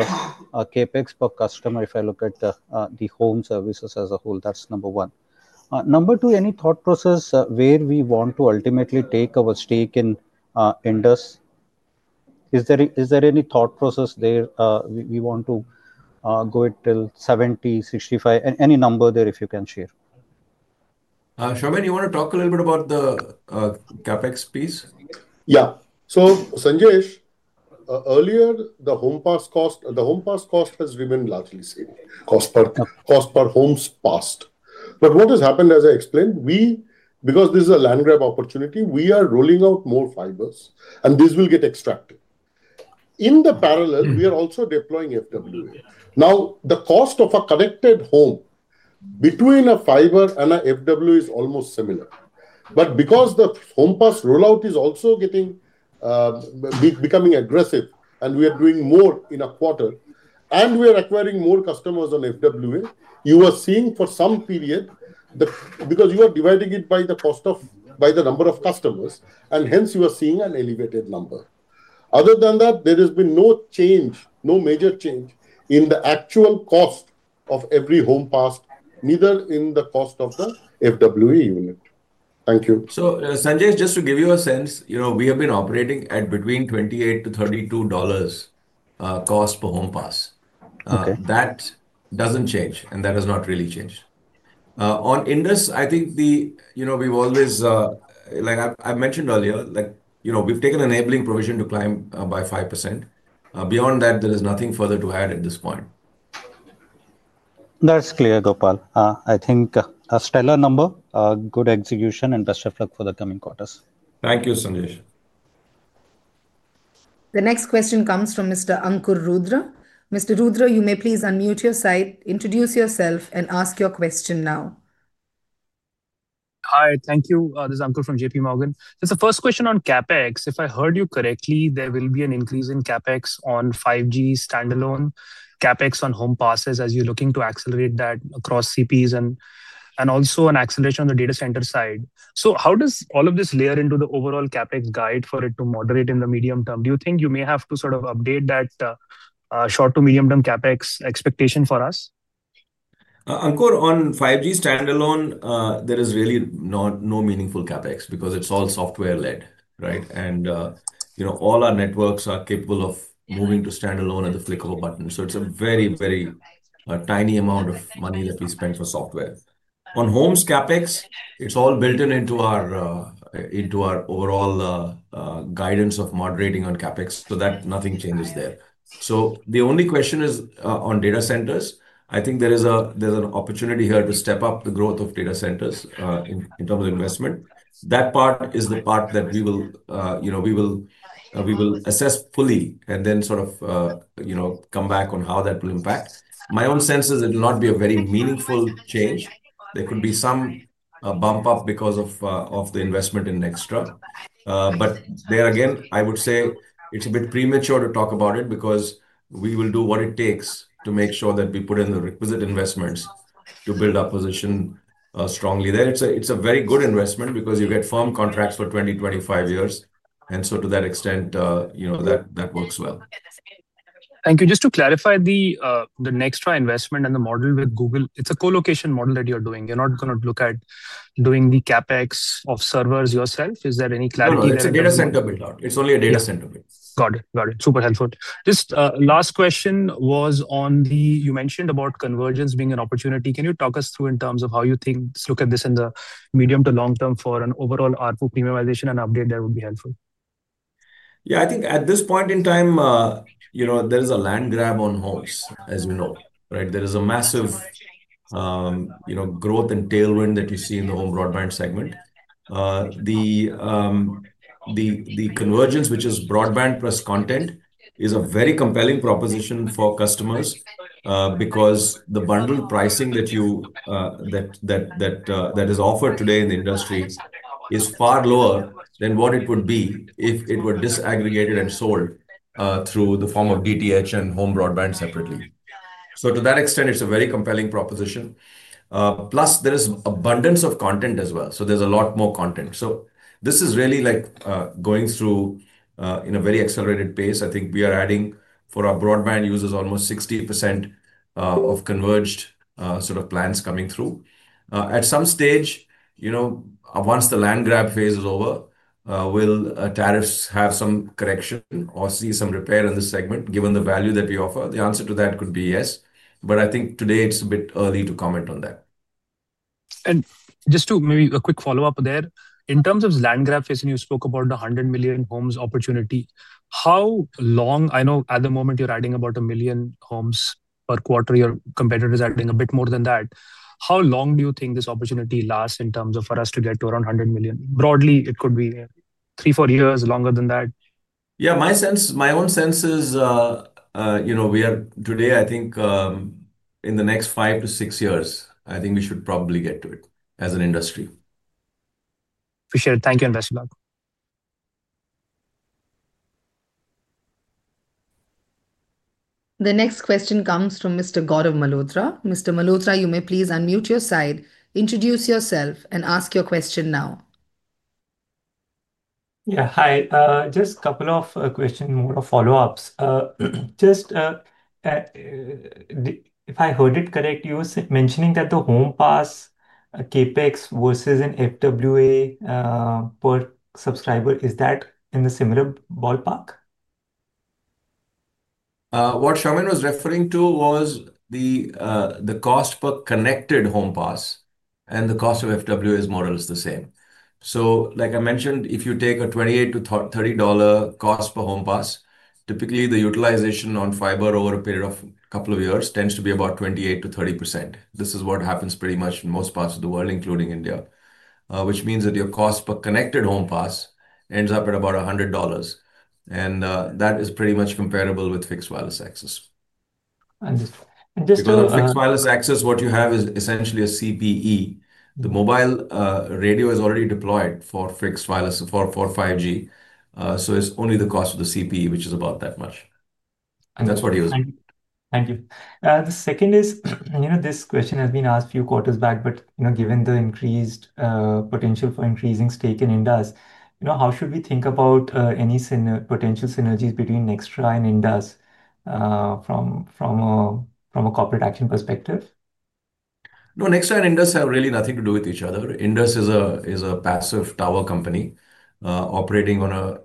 CapEx per customer if I look at the home services as a whole? That's number one. Number two, any thought process where we want to ultimately take our stake in Indus? Is there any thought process there? We want to go it till 70, 65, any number there if you can share. Soumen, you want to talk a little bit about the CapEx piece? Yeah. Sanjesh, earlier, the home pass cost has remained largely the same cost per homes passed. But what has happened, as I explained, because this is a land grab opportunity, we are rolling out more fibers, and this will get extracted. In the parallel, we are also deploying FWA. Now, the cost of a connected home between a fiber and an FWA is almost similar. Because the home pass rollout is also becoming aggressive and we are doing more in a quarter and we are acquiring more customers on FWA, you are seeing for some period, because you are dividing it by the number of customers, and hence you are seeing an elevated number. Other than that, there has been no change, no major change in the actual cost of every home pass, neither in the cost of the FWA unit. Thank you. So Sanjesh, just to give you a sense, we have been operating at between $28-$32 cost per home pass. That does not change, and that has not really changed. On Indus, I think we have always, like I mentioned earlier, taken enabling provision to climb by 5%. Beyond that, there is nothing further to add at this point. That is clear, Gopal. I think a stellar number, good execution, and best of luck for the coming quarters. Thank you, Sanjesh. The next question comes from Mr. Ankur Rudra. Mr. Rudra, you may please unmute your side, introduce yourself, and ask your question now. Hi, thank you. This is Ankur from JPMorgan. The first question on CapEx, if I heard you correctly, there will be an increase in CapEx on 5G standalone, CapEx on home passes as you are looking to accelerate that across CPs and also an acceleration on the data center side. How does all of this layer into the overall CapEx guide for it to moderate in the medium term? Do you think you may have to sort of update that short to medium-term CapEx expectation for us? Ankur, on 5G standalone, there is really no meaningful CapEx because it is all software-led, right? All our networks are capable of moving to standalone at the flick of a button. It is a very, very tiny amount of money that we spend for software. On homes CapEx, it is all built into our overall guidance of moderating on CapEx, so nothing changes there. The only question is on data centers. I think there is an opportunity here to step up the growth of data centers in terms of investment. That part is the part that we will assess fully and then sort of come back on how that will impact. My own sense is it will not be a very meaningful change. There could be some bump-up because of the investment in Nxtra. There, again, I would say it is a bit premature to talk about it because we will do what it takes to make sure that we put in the requisite investments to build our position strongly. There, it's a very good investment because you get firm contracts for 20 years, 25 years. To that extent, that works well. Thank you. Just to clarify the Nxtra investment and the model with Google, it's a co-location model that you're doing. You're not going to look at doing the CapEx of servers yourself. Is there any clarity there? It's a data center build-out. It's only a data center build-out. Got it. Got it. Super helpful. Just last question was on the, you mentioned about convergence being an opportunity. Can you talk us through in terms of how you think, look at this in the medium to long term for an overall ARPU premiumization and update that would be helpful? Yeah, I think at this point in time, there is a land grab on homes, as we know, right? There is a massive growth and tailwind that you see in the home broadband segment. The convergence, which is broadband plus content, is a very compelling proposition for customers because the bundled pricing that is offered today in the industry is far lower than what it would be if it were disaggregated and sold through the form of DTH and home broadband separately. To that extent, it's a very compelling proposition. Plus, there is abundance of content as well. There's a lot more content. This is really going through in a very accelerated pace. I think we are adding for our broadband users almost 60% of converged sort of plans coming through. At some stage, once the land grab phase is over, will tariffs have some correction or see some repair in this segment given the value that we offer? The answer to that could be yes. I think today it's a bit early to comment on that. Just to maybe a quick follow-up there, in terms of land grab phase, and you spoke about the 100 million homes opportunity, how long, I know at the moment you're adding about a million homes per quarter, your competitors are adding a bit more than that. How long do you think this opportunity lasts in terms of for us to get to around 100 million? Broadly, it could be three, four years, longer than that. Yeah, my own sense is we are today, I think, in the next five to six years, I think we should probably get to it as an industry. Appreciate it. Thank you, [Anvesh Bhag]. The next question comes from Mr. Gaurav Malhotra. Mr. Malhotra, you may please unmute your side, introduce yourself, and ask your question now. Yeah, hi. Just a couple of questions, more of follow-ups. Just, if I heard it correct, you were mentioning that the home pass CapEx versus an FWA per subscriber, is that in the similar ballpark? What Soumen was referring to was the cost per connected home pass and the cost of FWA is more or less the same. Like I mentioned, if you take a $28-$30 cost per home pass, typically the utilization on fiber over a period of a couple of years tends to be about 28%-30%. This is what happens pretty much in most parts of the world, including India, which means that your cost per connected home pass ends up at about $100. That is pretty much comparable with fixed wireless access. Just to, fixed wireless access, what you have is essentially a CPE. The mobile radio is already deployed for 5G, so it is only the cost of the CPE, which is about that much. That is what he was. Thank you. The second is, this question has been asked a few quarters back, but given the increased potential for increasing stake in Indus, how should we think about any potential synergies between Nxtra and Indus? From a corporate action perspective, No, Nxtra and Indus have really nothing to do with each other. Indus is a passive tower company operating on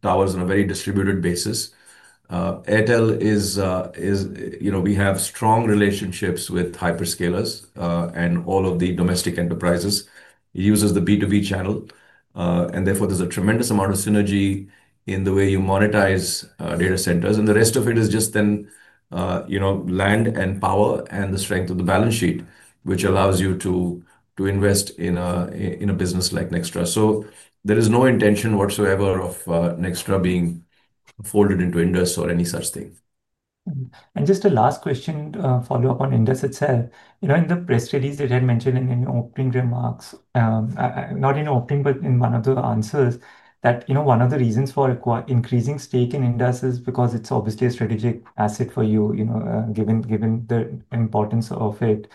towers on a very distributed basis. Airtel, we have strong relationships with hyperscalers and all of the domestic enterprises. It uses the B2B channel, and therefore, there is a tremendous amount of synergy in the way you monetize data centers. The rest of it is just then land and power and the strength of the balance sheet, which allows you to invest in a business like Nxtra. There is no intention whatsoever of Nxtra being folded into Indus or any such thing. Just a last question, follow-up on Indus itself. In the press release, it had mentioned in opening remarks, not in opening, but in one of the answers, that one of the reasons for increasing stake in Indus is because it is obviously a strategic asset for you, given the importance of it.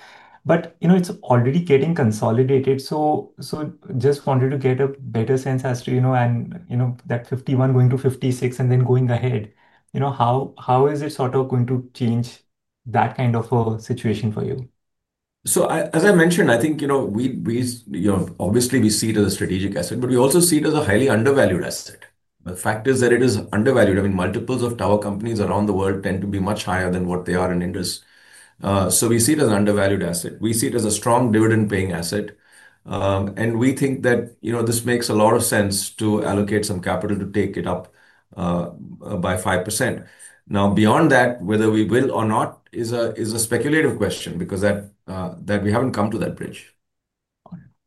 It is already getting consolidated. Just wanted to get a better sense as to that 51 going to 56 and then going ahead, how is it sort of going to change that kind of a situation for you? As I mentioned, I think obviously we see it as a strategic asset, but we also see it as a highly undervalued asset. The fact is that it is undervalued. I mean, multiples of tower companies around the world tend to be much higher than what they are in Indus. We see it as an undervalued asset. We see it as a strong dividend-paying asset. We think that this makes a lot of sense to allocate some capital to take it up by 5%. Now, beyond that, whether we will or not is a speculative question because we have not come to that bridge.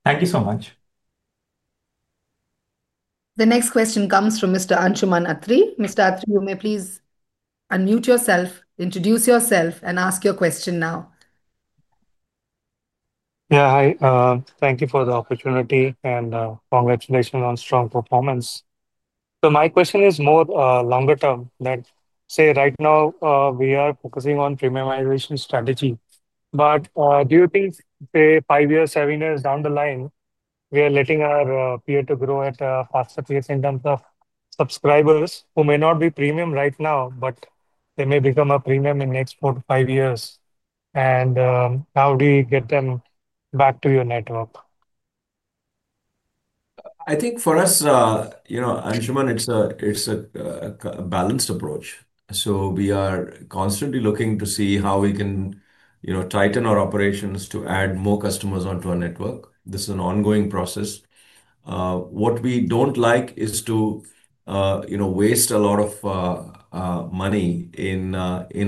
Thank you so much. The next question comes from Mr. Anshuman Athri. Mr.Athri, you may please unmute yourself, introduce yourself, and ask your question now. Yeah, hi. Thank you for the opportunity and congratulations on strong performance. My question is more longer term. Say right now we are focusing on premiumization strategy. But do you think, say, five years, seven years down the line, we are letting our peer grow at a faster pace in terms of subscribers who may not be premium right now, but they may become a premium in the next four to five years? And how do you get them back to your network? I think for us, Anshuman, it's a balanced approach. We are constantly looking to see how we can tighten our operations to add more customers onto our network. This is an ongoing process. What we do not like is to waste a lot of money in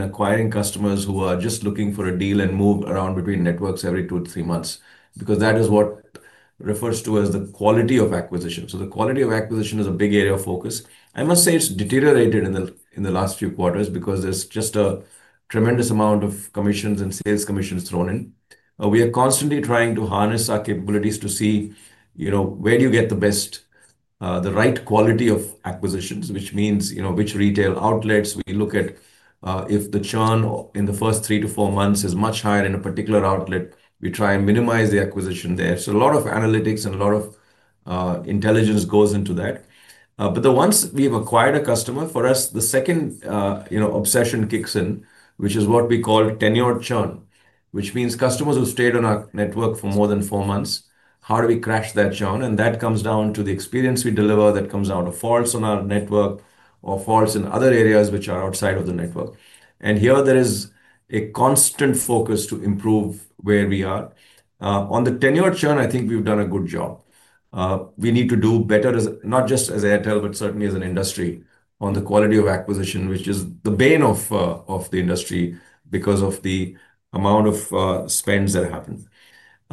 acquiring customers who are just looking for a deal and move around between networks every two to three months because that is what refers to as the quality of acquisition. The quality of acquisition is a big area of focus. I must say it has deteriorated in the last few quarters because there is just a tremendous amount of commissions and sales commissions thrown in. We are constantly trying to harness our capabilities to see where do you get the best, the right quality of acquisitions, which means which retail outlets we look at. If the churn in the first three to four months is much higher in a particular outlet, we try and minimize the acquisition there. A lot of analytics and a lot of intelligence goes into that. Once we have acquired a customer, for us, the second obsession kicks in, which is what we call tenure churn, which means customers who stayed on our network for more than four months, how do we crash that churn? That comes down to the experience we deliver that comes out of faults on our network or faults in other areas which are outside of the network. Here, there is a constant focus to improve where we are. On the tenure churn, I think we have done a good job. We need to do better, not just as Bharti Hexacom, but certainly as an industry, on the quality of acquisition, which is the bane of the industry because of the amount of spends that happen.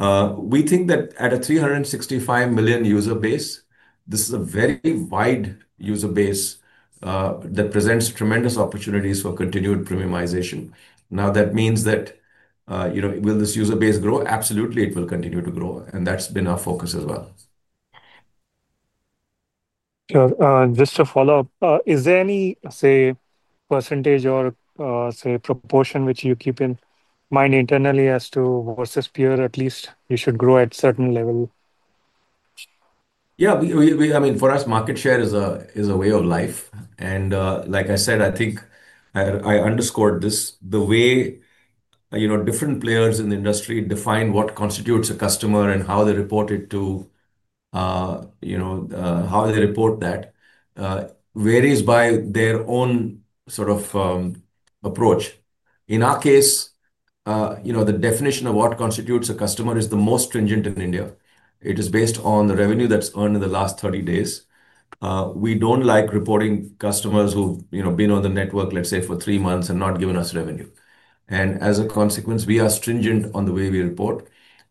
We think that at a 365 million user base, this is a very wide user base. That presents tremendous opportunities for continued premiumization. Now, that means that will this user base grow? Absolutely, it will continue to grow. That has been our focus as well. Just to follow up, is there any, say, percentage or, say, proportion which you keep in mind internally as to versus peer, at least you should grow at certain level? Yeah, I mean, for us, market share is a way of life. I underscored this, the way different players in the industry define what constitutes a customer and how they report it to, how they report that, varies by their own sort of approach. In our case. The definition of what constitutes a customer is the most stringent in India. It is based on the revenue that's earned in the last 30 days. We don't like reporting customers who've been on the network, let's say, for three months and not given us revenue. As a consequence, we are stringent on the way we report.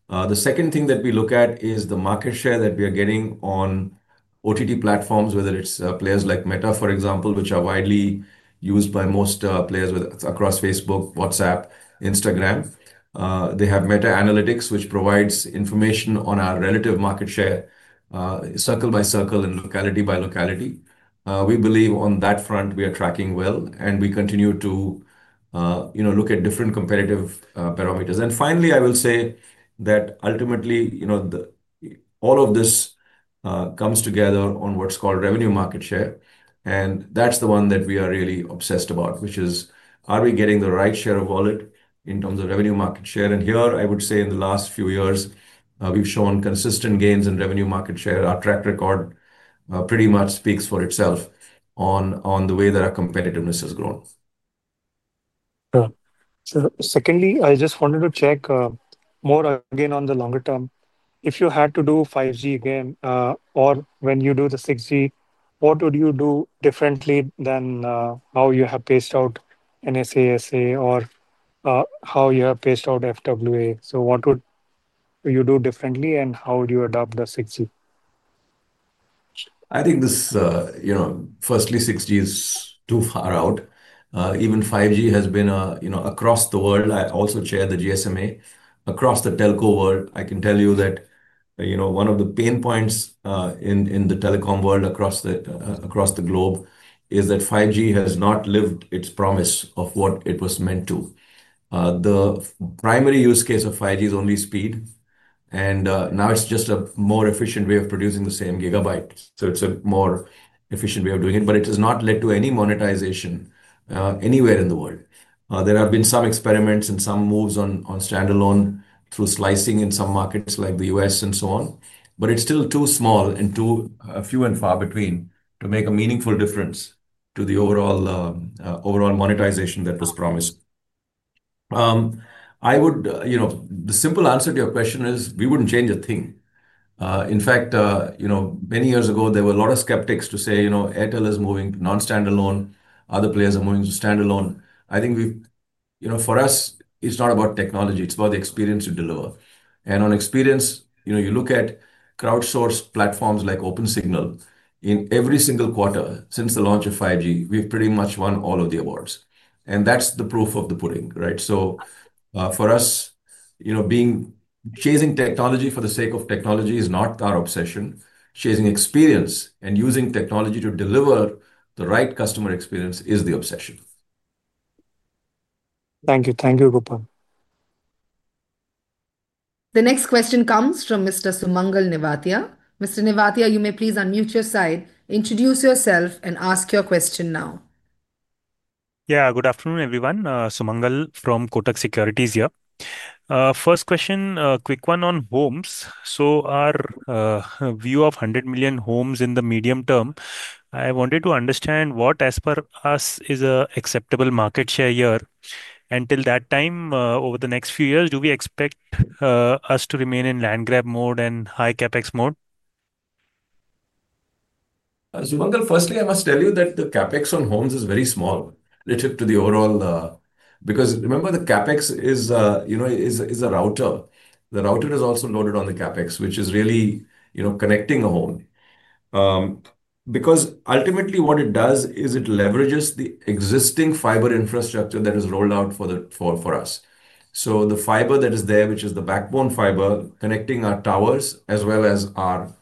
The second thing that we look at is the market share that we are getting on OTT platforms, whether it's players like Meta, for example, which are widely used by most players across Facebook, WhatsApp, Instagram. They have Meta Analytics, which provides information on our relative market share, circle by circle and locality by locality. We believe on that front, we are tracking well, and we continue to look at different competitive parameters. Finally, I will say that ultimately all of this comes together on what's called revenue market share. That's the one that we are really obsessed about, which is, are we getting the right share of wallet in terms of revenue market share? Here, I would say in the last few years, we've shown consistent gains in revenue market share. Our track record pretty much speaks for itself on the way that our competitiveness has grown. Secondly, I just wanted to check more again on the longer term. If you had to do 5G again or when you do the 6G, what would you do differently than how you have paced out NSA SA or how you have paced out FWA? What would you do differently and how would you adopt the 6G? I think firstly, 6G is too far out. Even 5G has been across the world. I also chair the GSMA. Across the telco world, I can tell you that one of the pain points in the telecom world across the globe is that 5G has not lived its promise of what it was meant to. The primary use case of 5G is only speed. Now it's just a more efficient way of producing the same gigabyte. It's a more efficient way of doing it, but it has not led to any monetization anywhere in the world. There have been some experiments and some moves on standalone through slicing in some markets like the US and so on, but it's still too small and too few and far between to make a meaningful difference to the overall monetization that was promised. The simple answer to your question is we wouldn't change a thing. In fact, many years ago, there were a lot of skeptics to say Airtel is moving to non-standalone. Other players are moving to standalone. I think for us, it's not about technology. It's about the experience you deliver. On experience, you look at crowdsource platforms like Opensignal. In every single quarter since the launch of 5G, we've pretty much won all of the awards. That's the proof of the pudding, right? For us. Chasing technology for the sake of technology is not our obsession. Chasing experience and using technology to deliver the right customer experience is the obsession. Thank you. Thank you, Gopal. The next question comes from Mr. Sumangal Nevatia. Mr. Nevatia, you may please unmute your side, introduce yourself, and ask your question now. Yeah, good afternoon, everyone. Sumangal from Kotak Securities here. First question, quick one on homes. Our view of 100 million homes in the medium term, I wanted to understand what, as per us, is an acceptable market share here. Until that time, over the next few years, do we expect us to remain in land grab mode and high CapEx mode? Sumangal, firstly, I must tell you that the CapEx on homes is very small, relative to the overall. Because remember, the CapEx is a router. The router is also loaded on the CapEx, which is really connecting a home. Because ultimately, what it does is it leverages the existing fiber infrastructure that is rolled out for us. The fiber that is there, which is the backbone fiber connecting our towers as well as our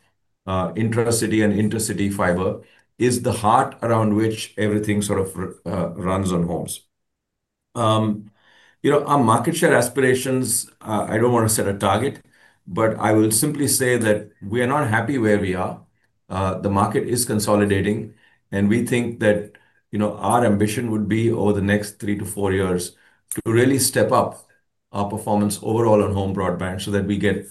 intra-city and intercity fiber, is the heart around which everything sort of runs on homes. Our market share aspirations, I do not want to set a target, but I will simply say that we are not happy where we are. The market is consolidating. We think that our ambition would be over the next three to four years to really step up our performance overall on home broadband so that we get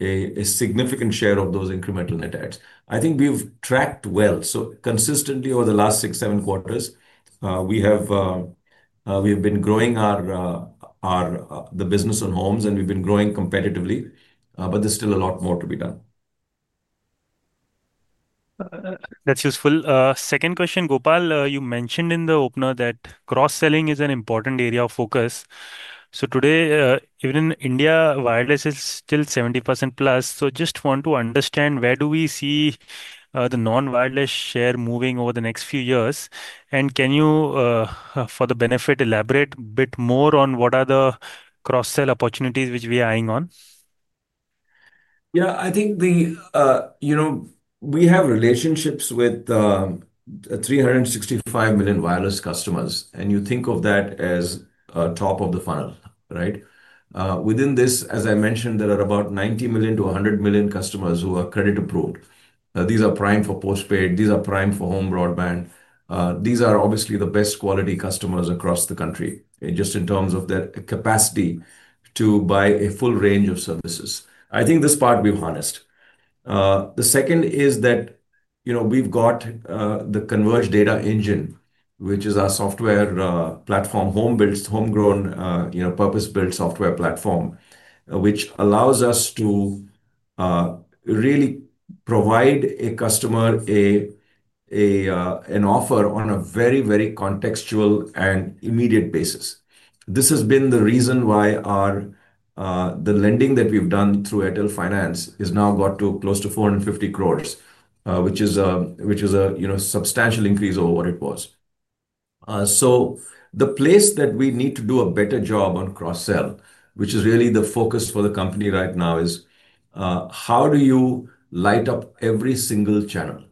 a significant share of those incremental net adds. I think we have tracked well. Consistently over the last six, seven quarters, we have been growing the business on homes, and we have been growing competitively. There is still a lot more to be done. That is useful. Second question, Gopal, you mentioned in the opener that cross-selling is an important area of focus. Today, even in India, wireless is still 70%+. I just want to understand, where do we see the non-wireless share moving over the next few years? Can you, for the benefit, elaborate a bit more on what are the cross-sell opportunities which we are eyeing on? I think we have relationships with 365 million wireless customers. You think of that as top of the funnel, right? Within this, as I mentioned, there are about 90 million-100 million customers who are credit approved. These are prime for postpaid. These are prime for home broadband. These are obviously the best quality customers across the country, just in terms of their capacity to buy a full range of services. I think this part we have harnessed. The second is that we have got the Converge Data Engine, which is our software platform, home-built, homegrown, purpose-built software platform, which allows us to really provide a customer an offer on a very, very contextual and immediate basis. This has been the reason why. The lending that we've done through Airtel Finance has now got close to 450 crore, which is a substantial increase over what it was. The place that we need to do a better job on cross-sell, which is really the focus for the company right now, is how do you light up every single channel?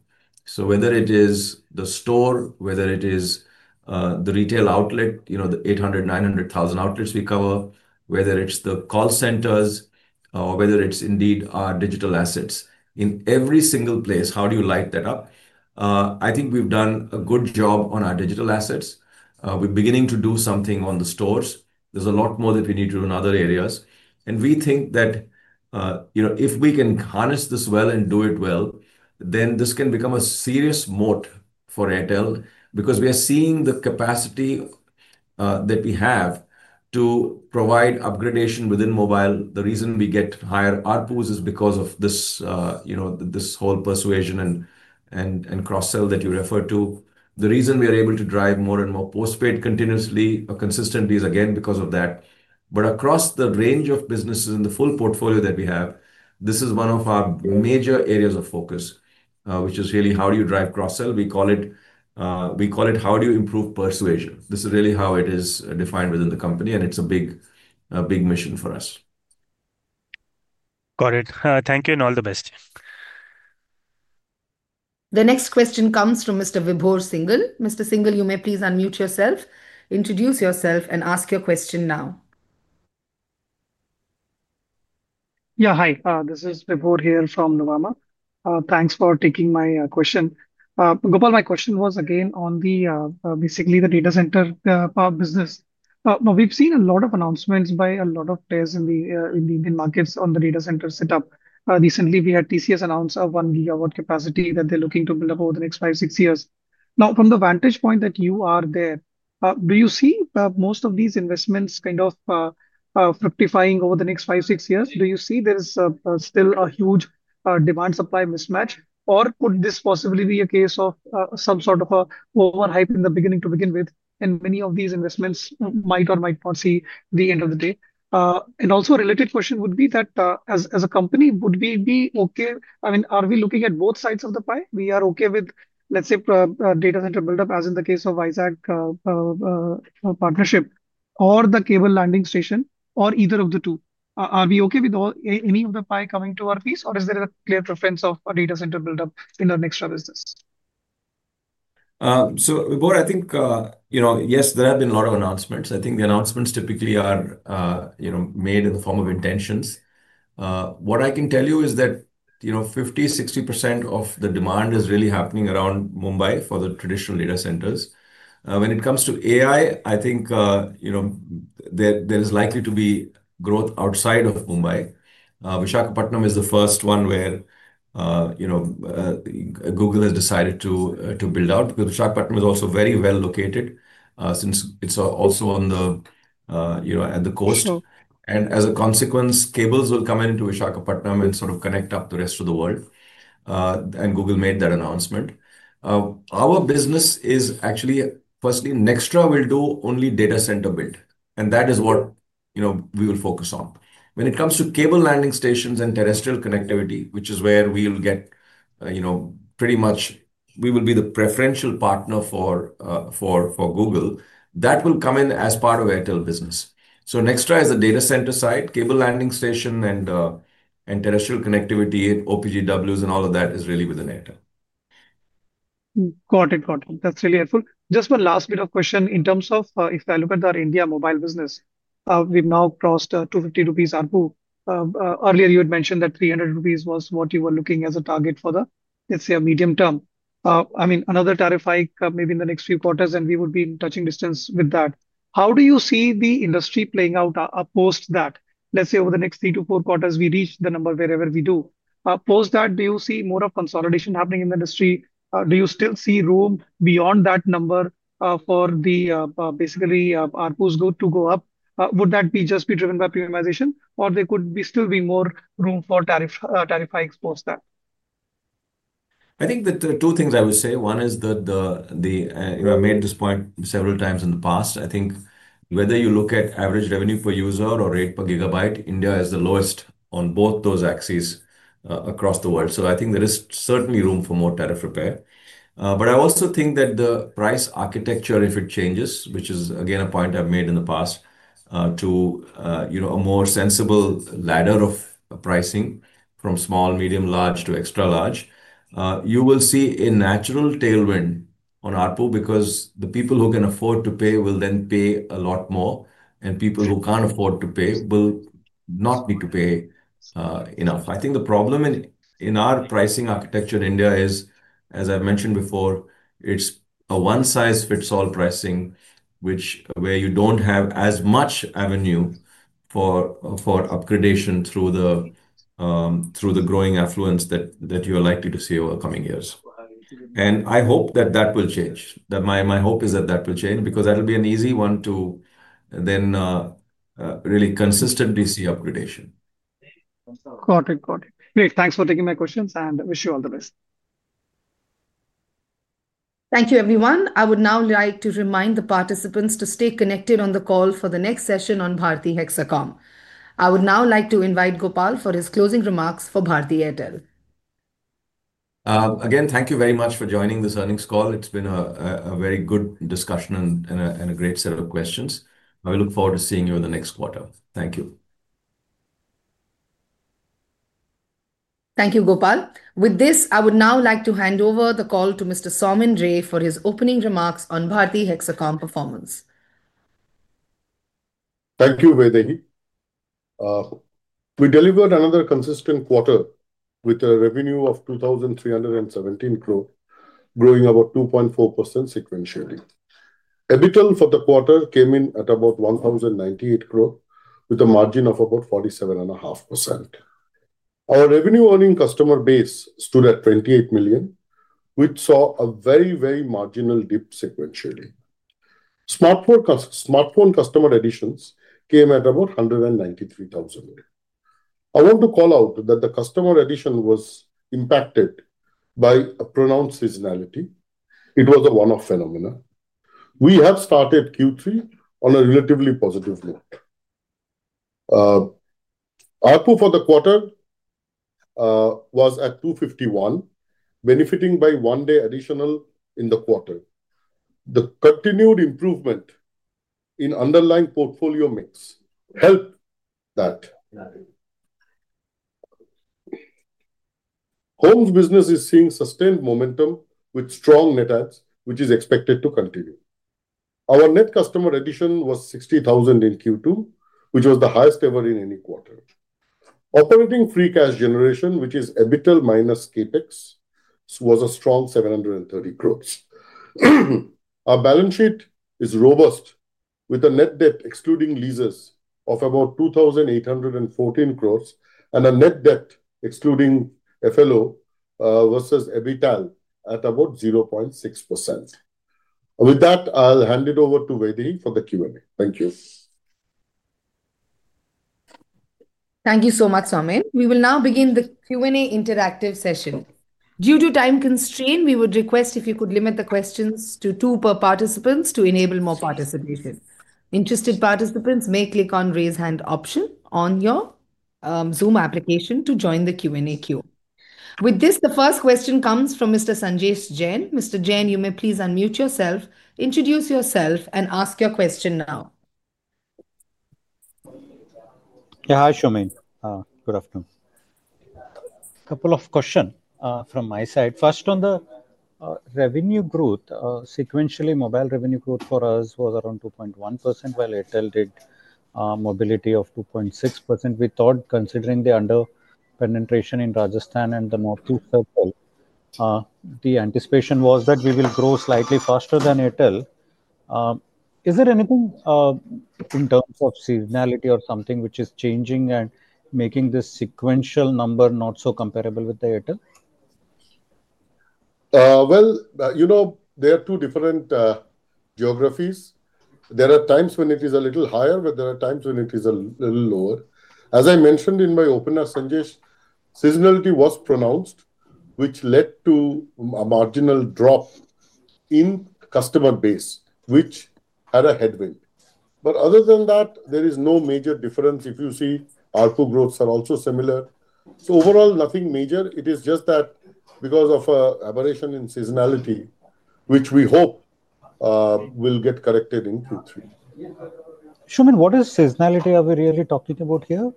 Whether it is the store, whether it is the retail outlet, the 800,000-900,000 outlets we cover, whether it's the call centers, or whether it's indeed our digital assets. In every single place, how do you light that up? I think we've done a good job on our digital assets. We're beginning to do something on the stores. There's a lot more that we need to do in other areas. We think that if we can harness this well and do it well, then this can become a serious moat for Airtel because we are seeing the capacity that we have to provide upgradation within mobile. The reason we get higher ARPUs is because of this whole persuasion and cross-sell that you refer to. The reason we are able to drive more and more postpaid continuously or consistently is again because of that. Across the range of businesses and the full portfolio that we have, this is one of our major areas of focus, which is really how do you drive cross-sell. We call it how do you improve persuasion. This is really how it is defined within the company, and it's a big mission for us. Got it. Thank you and all the best. The next question comes from Mr. Vibhor Singhal. Mr. Singhal, you may please unmute yourself, introduce yourself, and ask your question now. Yeah, hi. This is Vibhor here from Nuvama. Thanks for taking my question. Gopal, my question was again on basically the data center business. We've seen a lot of announcements by a lot of players in the Indian markets on the data center setup. Recently, we had TCS announce a 1 GW capacity that they're looking to build up over the next five-six years. Now, from the vantage point that you are there, do you see most of these investments kind of fructifying over the next five-six years? Do you see there's still a huge demand-supply mismatch? Could this possibly be a case of some sort of an overhype in the beginning to begin with? Many of these investments might or might not see the end of the day. Also, a related question would be that as a company, would we be okay? I mean, are we looking at both sides of the pie? We are okay with, let's say, data center buildup, as in the case of IRSOC partnership, or the cable landing station, or either of the two. Are we okay with any of the pie coming to our piece, or is there a clear preference of a data center buildup in our next business? Vibhor, I think. Yes, there have been a lot of announcements. I think the announcements typically are made in the form of intentions. What I can tell you is that 50%-60% of the demand is really happening around Mumbai for the traditional data centers. When it comes to AI, I think there is likely to be growth outside of Mumbai. Vishakhapatnam is the first one where Google has decided to build out because Vishakhapatnam is also very well located. Since it is also at the coast, and as a consequence, cables will come into Vishakhapatnam and sort of connect up the rest of the world. Google made that announcement. Our business is actually, firstly, Nxtra will do only data center build, and that is what we will focus on. When it comes to cable landing stations and terrestrial connectivity, which is where we will get, pretty much, we will be the preferential partner for Google. That will come in as part of Airtel Business. Nxtra is the data center side; cable landing station and terrestrial connectivity, OPGWs, and all of that is really within Airtel. Got it, got it. That is really helpful. Just one last bit of question. In terms of if I look at our India mobile business, we have now crossed a 250 rupees ARPU. Earlier, you had mentioned that 300 rupees was what you were looking at as a target for the, let's say, medium term. I mean, another tariff hike maybe in the next few quarters, and we would be in touching distance with that. How do you see the industry playing out post that? Let's say over the next three to four quarters, we reach the number wherever we do. Post that, do you see more of consolidation happening in the industry? Do you still see room beyond that number for basically ARPUs to go up? Would that be just driven by premiumization, or there could still be more room for tariff hikes post that? I think the two things I would say. One is that I made this point several times in the past. I think whether you look at average revenue per user or rate per gigabyte, India is the lowest on both those axes across the world. I think there is certainly room for more tariff repair. I also think that the price architecture, if it changes, which is again a point I have made in the past, to a more sensible ladder of pricing from small, medium, large, to extra large, you will see a natural tailwind on ARPU because the people who can afford to pay will then pay a lot more, and people who cannot afford to pay will not need to pay enough. I think the problem in our pricing architecture in India is, as I mentioned before, it is a one-size-fits-all pricing, where you do not have as much avenue for upgradation through the growing affluence that you are likely to see over coming years. I hope that that will change. My hope is that that will change because that will be an easy one to. Really consistently see upgradation. Got it, got it. Great. Thanks for taking my questions, and wish you all the best. Thank you, everyone. I would now like to remind the participants to stay connected on the call for the next session on Bharti Hexacom. I would now like to invite Gopal for his closing remarks for Bharti Airtel. Again, thank you very much for joining this earnings call. It's been a very good discussion and a great set of questions. I will look forward to seeing you in the next quarter. Thank you. Thank you, Gopal. With this, I would now like to hand over the call to Mr. Soumen Ray for his opening remarks on Bharti Hexacom performance. Thank you, Vaidehi. We delivered another consistent quarter with a revenue of 2,317 crore, growing about 2.4% sequentially. EBITDA for the quarter came in at about 1,098 crore, with a margin of about 47.5%. Our revenue-earning customer base stood at 28 million, which saw a very, very marginal dip sequentially. Smartphone customer additions came at about 193,000. I want to call out that the customer addition was impacted by a pronounced seasonality. It was a one-off phenomenon. We have started Q3 on a relatively positive note. ARPU for the quarter was at 251, benefiting by one day additional in the quarter. The continued improvement in underlying portfolio mix helped that. Homes business is seeing sustained momentum with strong net adds, which is expected to continue. Our net customer addition was 60,000 in Q2, which was the highest ever in any quarter. Operating free cash generation, which is EBITDA minus CapEx, was a strong 730 crore. Our balance sheet is robust, with a net debt excluding leases of about 2,814 crore and a net debt excluding FLO versus EBITDA at about 0.6%. With that, I'll hand it over to Vaidehi for the Q&A. Thank you. Thank you so much, Soumen. We will now begin the Q&A interactive session. Due to time constraint, we would request if you could limit the questions to two per participants to enable more participation. Interested participants may click on the raise hand option on your Zoom application to join the Q&A queue. With this, the first question comes from Mr. Sanjesh Jain. Mr. Jain, you may please unmute yourself, introduce yourself, and ask your question now. Yeah, hi, Soumen. Good afternoon. A couple of questions from my side. First, on the revenue growth, sequentially, mobile revenue growth for us was around 2.1%, while Airtel did mobility of 2.6%. We thought, considering the under penetration in Rajasthan and the North East Circle, the anticipation was that we will grow slightly faster than Airtel. Is there anything in terms of seasonality or something which is changing and making this sequential number not so comparable with Airtel? There are two different geographies. There are times when it is a little higher, but there are times when it is a little lower. As I mentioned in my opener, Sanjesh, seasonality was pronounced, which led to a marginal drop in customer base, which had a headwind. Other than that, there is no major difference. If you see, ARPU growths are also similar. Overall, nothing major. It is just that because of an aberration in seasonality, which we hope will get corrected in Q3. Soumen, what is seasonality are we really talking about here?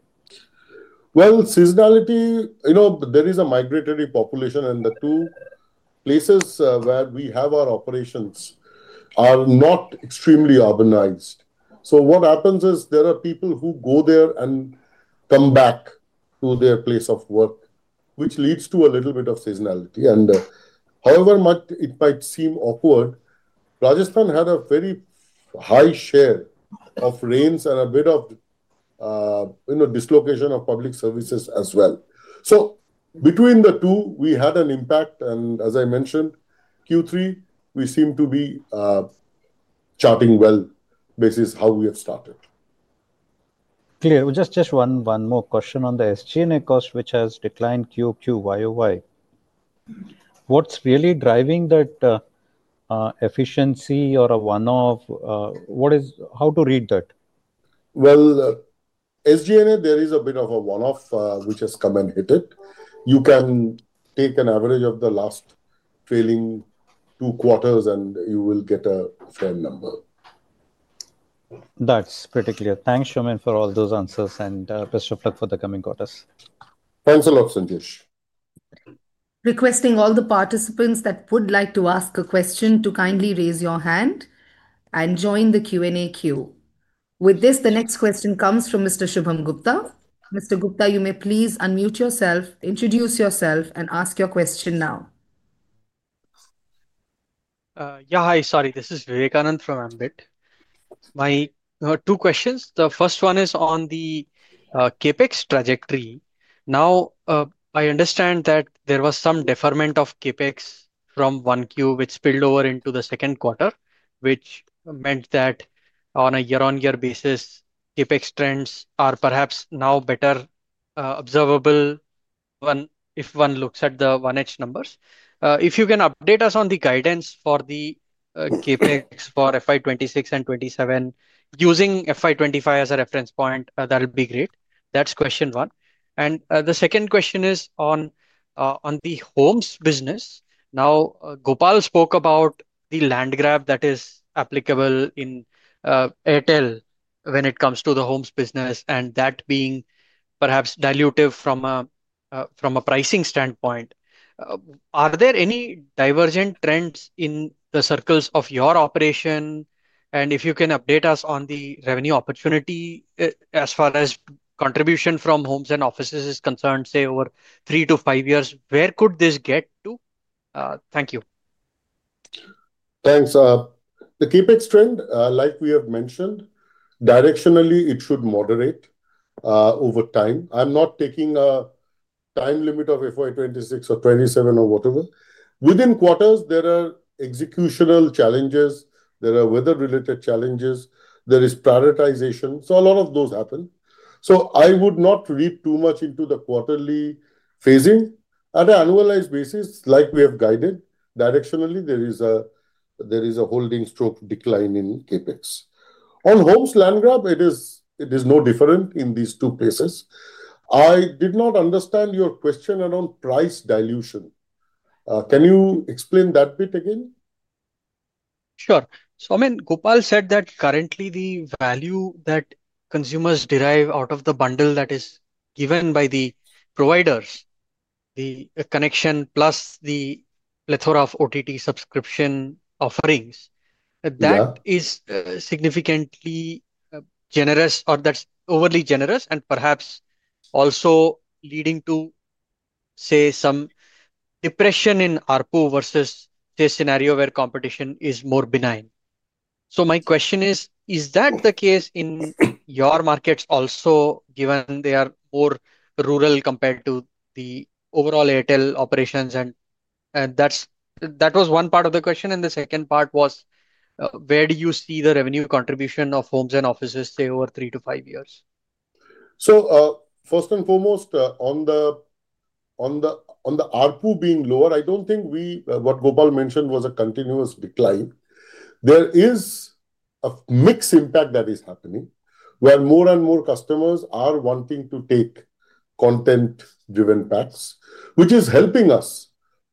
Seasonality, there is a migratory population, and the two places where we have our operations are not extremely urbanized. What happens is there are people who go there and come back to their place of work, which leads to a little bit of seasonality. However much it might seem awkward, Rajasthan had a very high share of rains and a bit of dislocation of public services as well. Between the two, we had an impact. As I mentioned, Q3, we seem to be charting well versus how we have started. Clear. Just one more question on the SG&A cost, which has declined QoQ and YoY. What is really driving that? Efficiency or a one-off? How to read that? SG&A, there is a bit of a one-off which has come and hit. You can take an average of the last trailing two quarters, and you will get a fair number. That is pretty clear. Thanks, Soumen, for all those answers and best of luck for the coming quarters. Thanks a lot, Sanjesh. Requesting all the participants that would like to ask a question to kindly raise your hand and join the Q&A queue. With this, the next question comes from Mr. Shubham Gupta. Mr. Gupta, you may please unmute yourself, introduce yourself, and ask your question now. Yeah, hi. Sorry, this is Vivekanand from Ambit. My two questions. The first one is on the CapEx trajectory. Now, I understand that there was some deferment of CapEx from one quarter, which spilled over into the second quarter, which meant that on a year-on-year basis, CapEx trends are perhaps now better observable. If one looks at the first half numbers, if you can update us on the guidance for the CapEx for FY 2026 and FY 2027, using FY 2025 as a reference point, that would be great. That is question one. The second question is on the homes business. Now, Gopal spoke about the land grab that is applicable in Airtel when it comes to the homes business, and that being perhaps dilutive from a pricing standpoint. Are there any divergent trends in the circles of your operation? If you can update us on the revenue opportunity as far as contribution from homes and offices is concerned, say, over three to five years, where could this get to? Thank you. Thanks. The CapEx trend, like we have mentioned, directionally, it should moderate over time. I'm not taking a time limit of FY 2026 or FY 2027 or whatever. Within quarters, there are executional challenges. There are weather-related challenges. There is prioritization. A lot of those happen. I would not read too much into the quarterly phasing. At an annualized basis, like we have guided, directionally, there is a holding stroke decline in CapEx. On homes land grab, it is no different in these two places. I did not understand your question around price dilution. Can you explain that bit again? Sure. I mean, Gopal said that currently, the value that consumers derive out of the bundle that is given by the providers, the connection plus the plethora of OTT subscription offerings, that is significantly generous or that's overly generous and perhaps also leading to, say, some depression in ARPU versus the scenario where competition is more benign. My question is, is that the case in your markets also, given they are more rural compared to the overall Airtel operations? That was one part of the question. The second part was, where do you see the revenue contribution of homes and offices, say, over three to five years? First and foremost, on the ARPU being lower, I don't think what Gopal mentioned was a continuous decline. There is a mixed impact that is happening, where more and more customers are wanting to take content-driven paths, which is helping us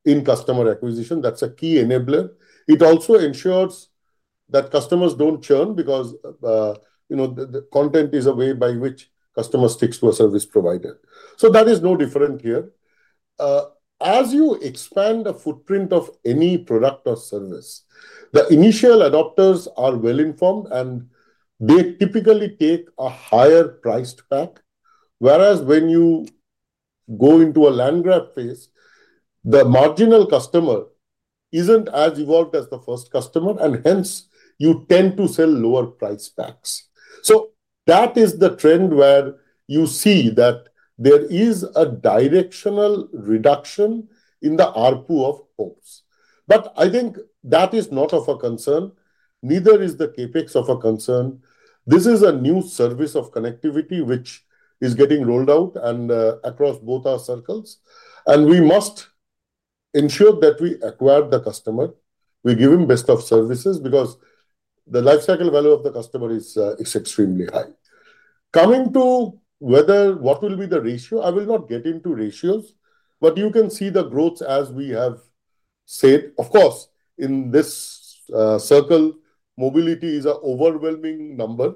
in customer acquisition. That's a key enabler. It also ensures that customers don't churn because the content is a way by which customers stick to a service provider. That is no different here. As you expand the footprint of any product or service, the initial adopters are well-informed, and they typically take a higher-priced pack. Whereas when you go into a land grab phase, the marginal customer isn't as evolved as the first customer, and hence, you tend to sell lower-priced packs. That is the trend where you see that there is a directional reduction in the ARPU of homes. I think that is not of a concern. Neither is the CapEx of a concern. This is a new service of connectivity, which is getting rolled out across both our circles. We must ensure that we acquire the customer, we give him best of services because the lifecycle value of the customer is extremely high. Coming to what will be the ratio, I will not get into ratios, but you can see the growth as we have said. Of course, in this circle, mobility is an overwhelming number.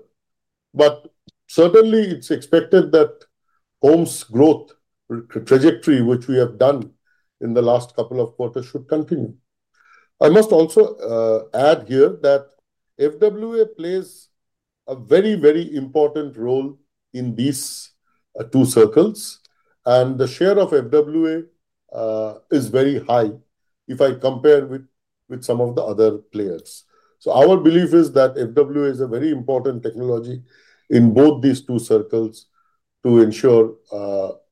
Certainly, it's expected that homes growth trajectory, which we have done in the last couple of quarters, should continue. I must also add here that FWA plays a very, very important role in these two circles. The share of FWA is very high if I compare with some of the other players. Our belief is that FWA is a very important technology in both these two circles to ensure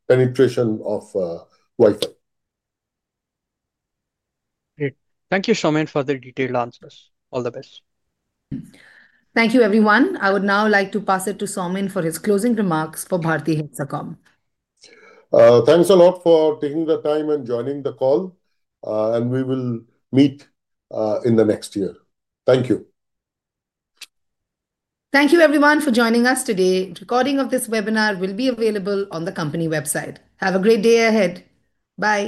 penetration of Wi-Fi. Great. Thank you, Soumen, for the detailed answers. All the best. Thank you, everyone. I would now like to pass it to Soumen for his closing remarks for Bharti Hexacom. Thanks a lot for taking the time and joining the call. We will meet in the next year. Thank you. Thank you, everyone, for joining us today. Recording of this webinar will be available on the company website. Have a great day ahead. Bye.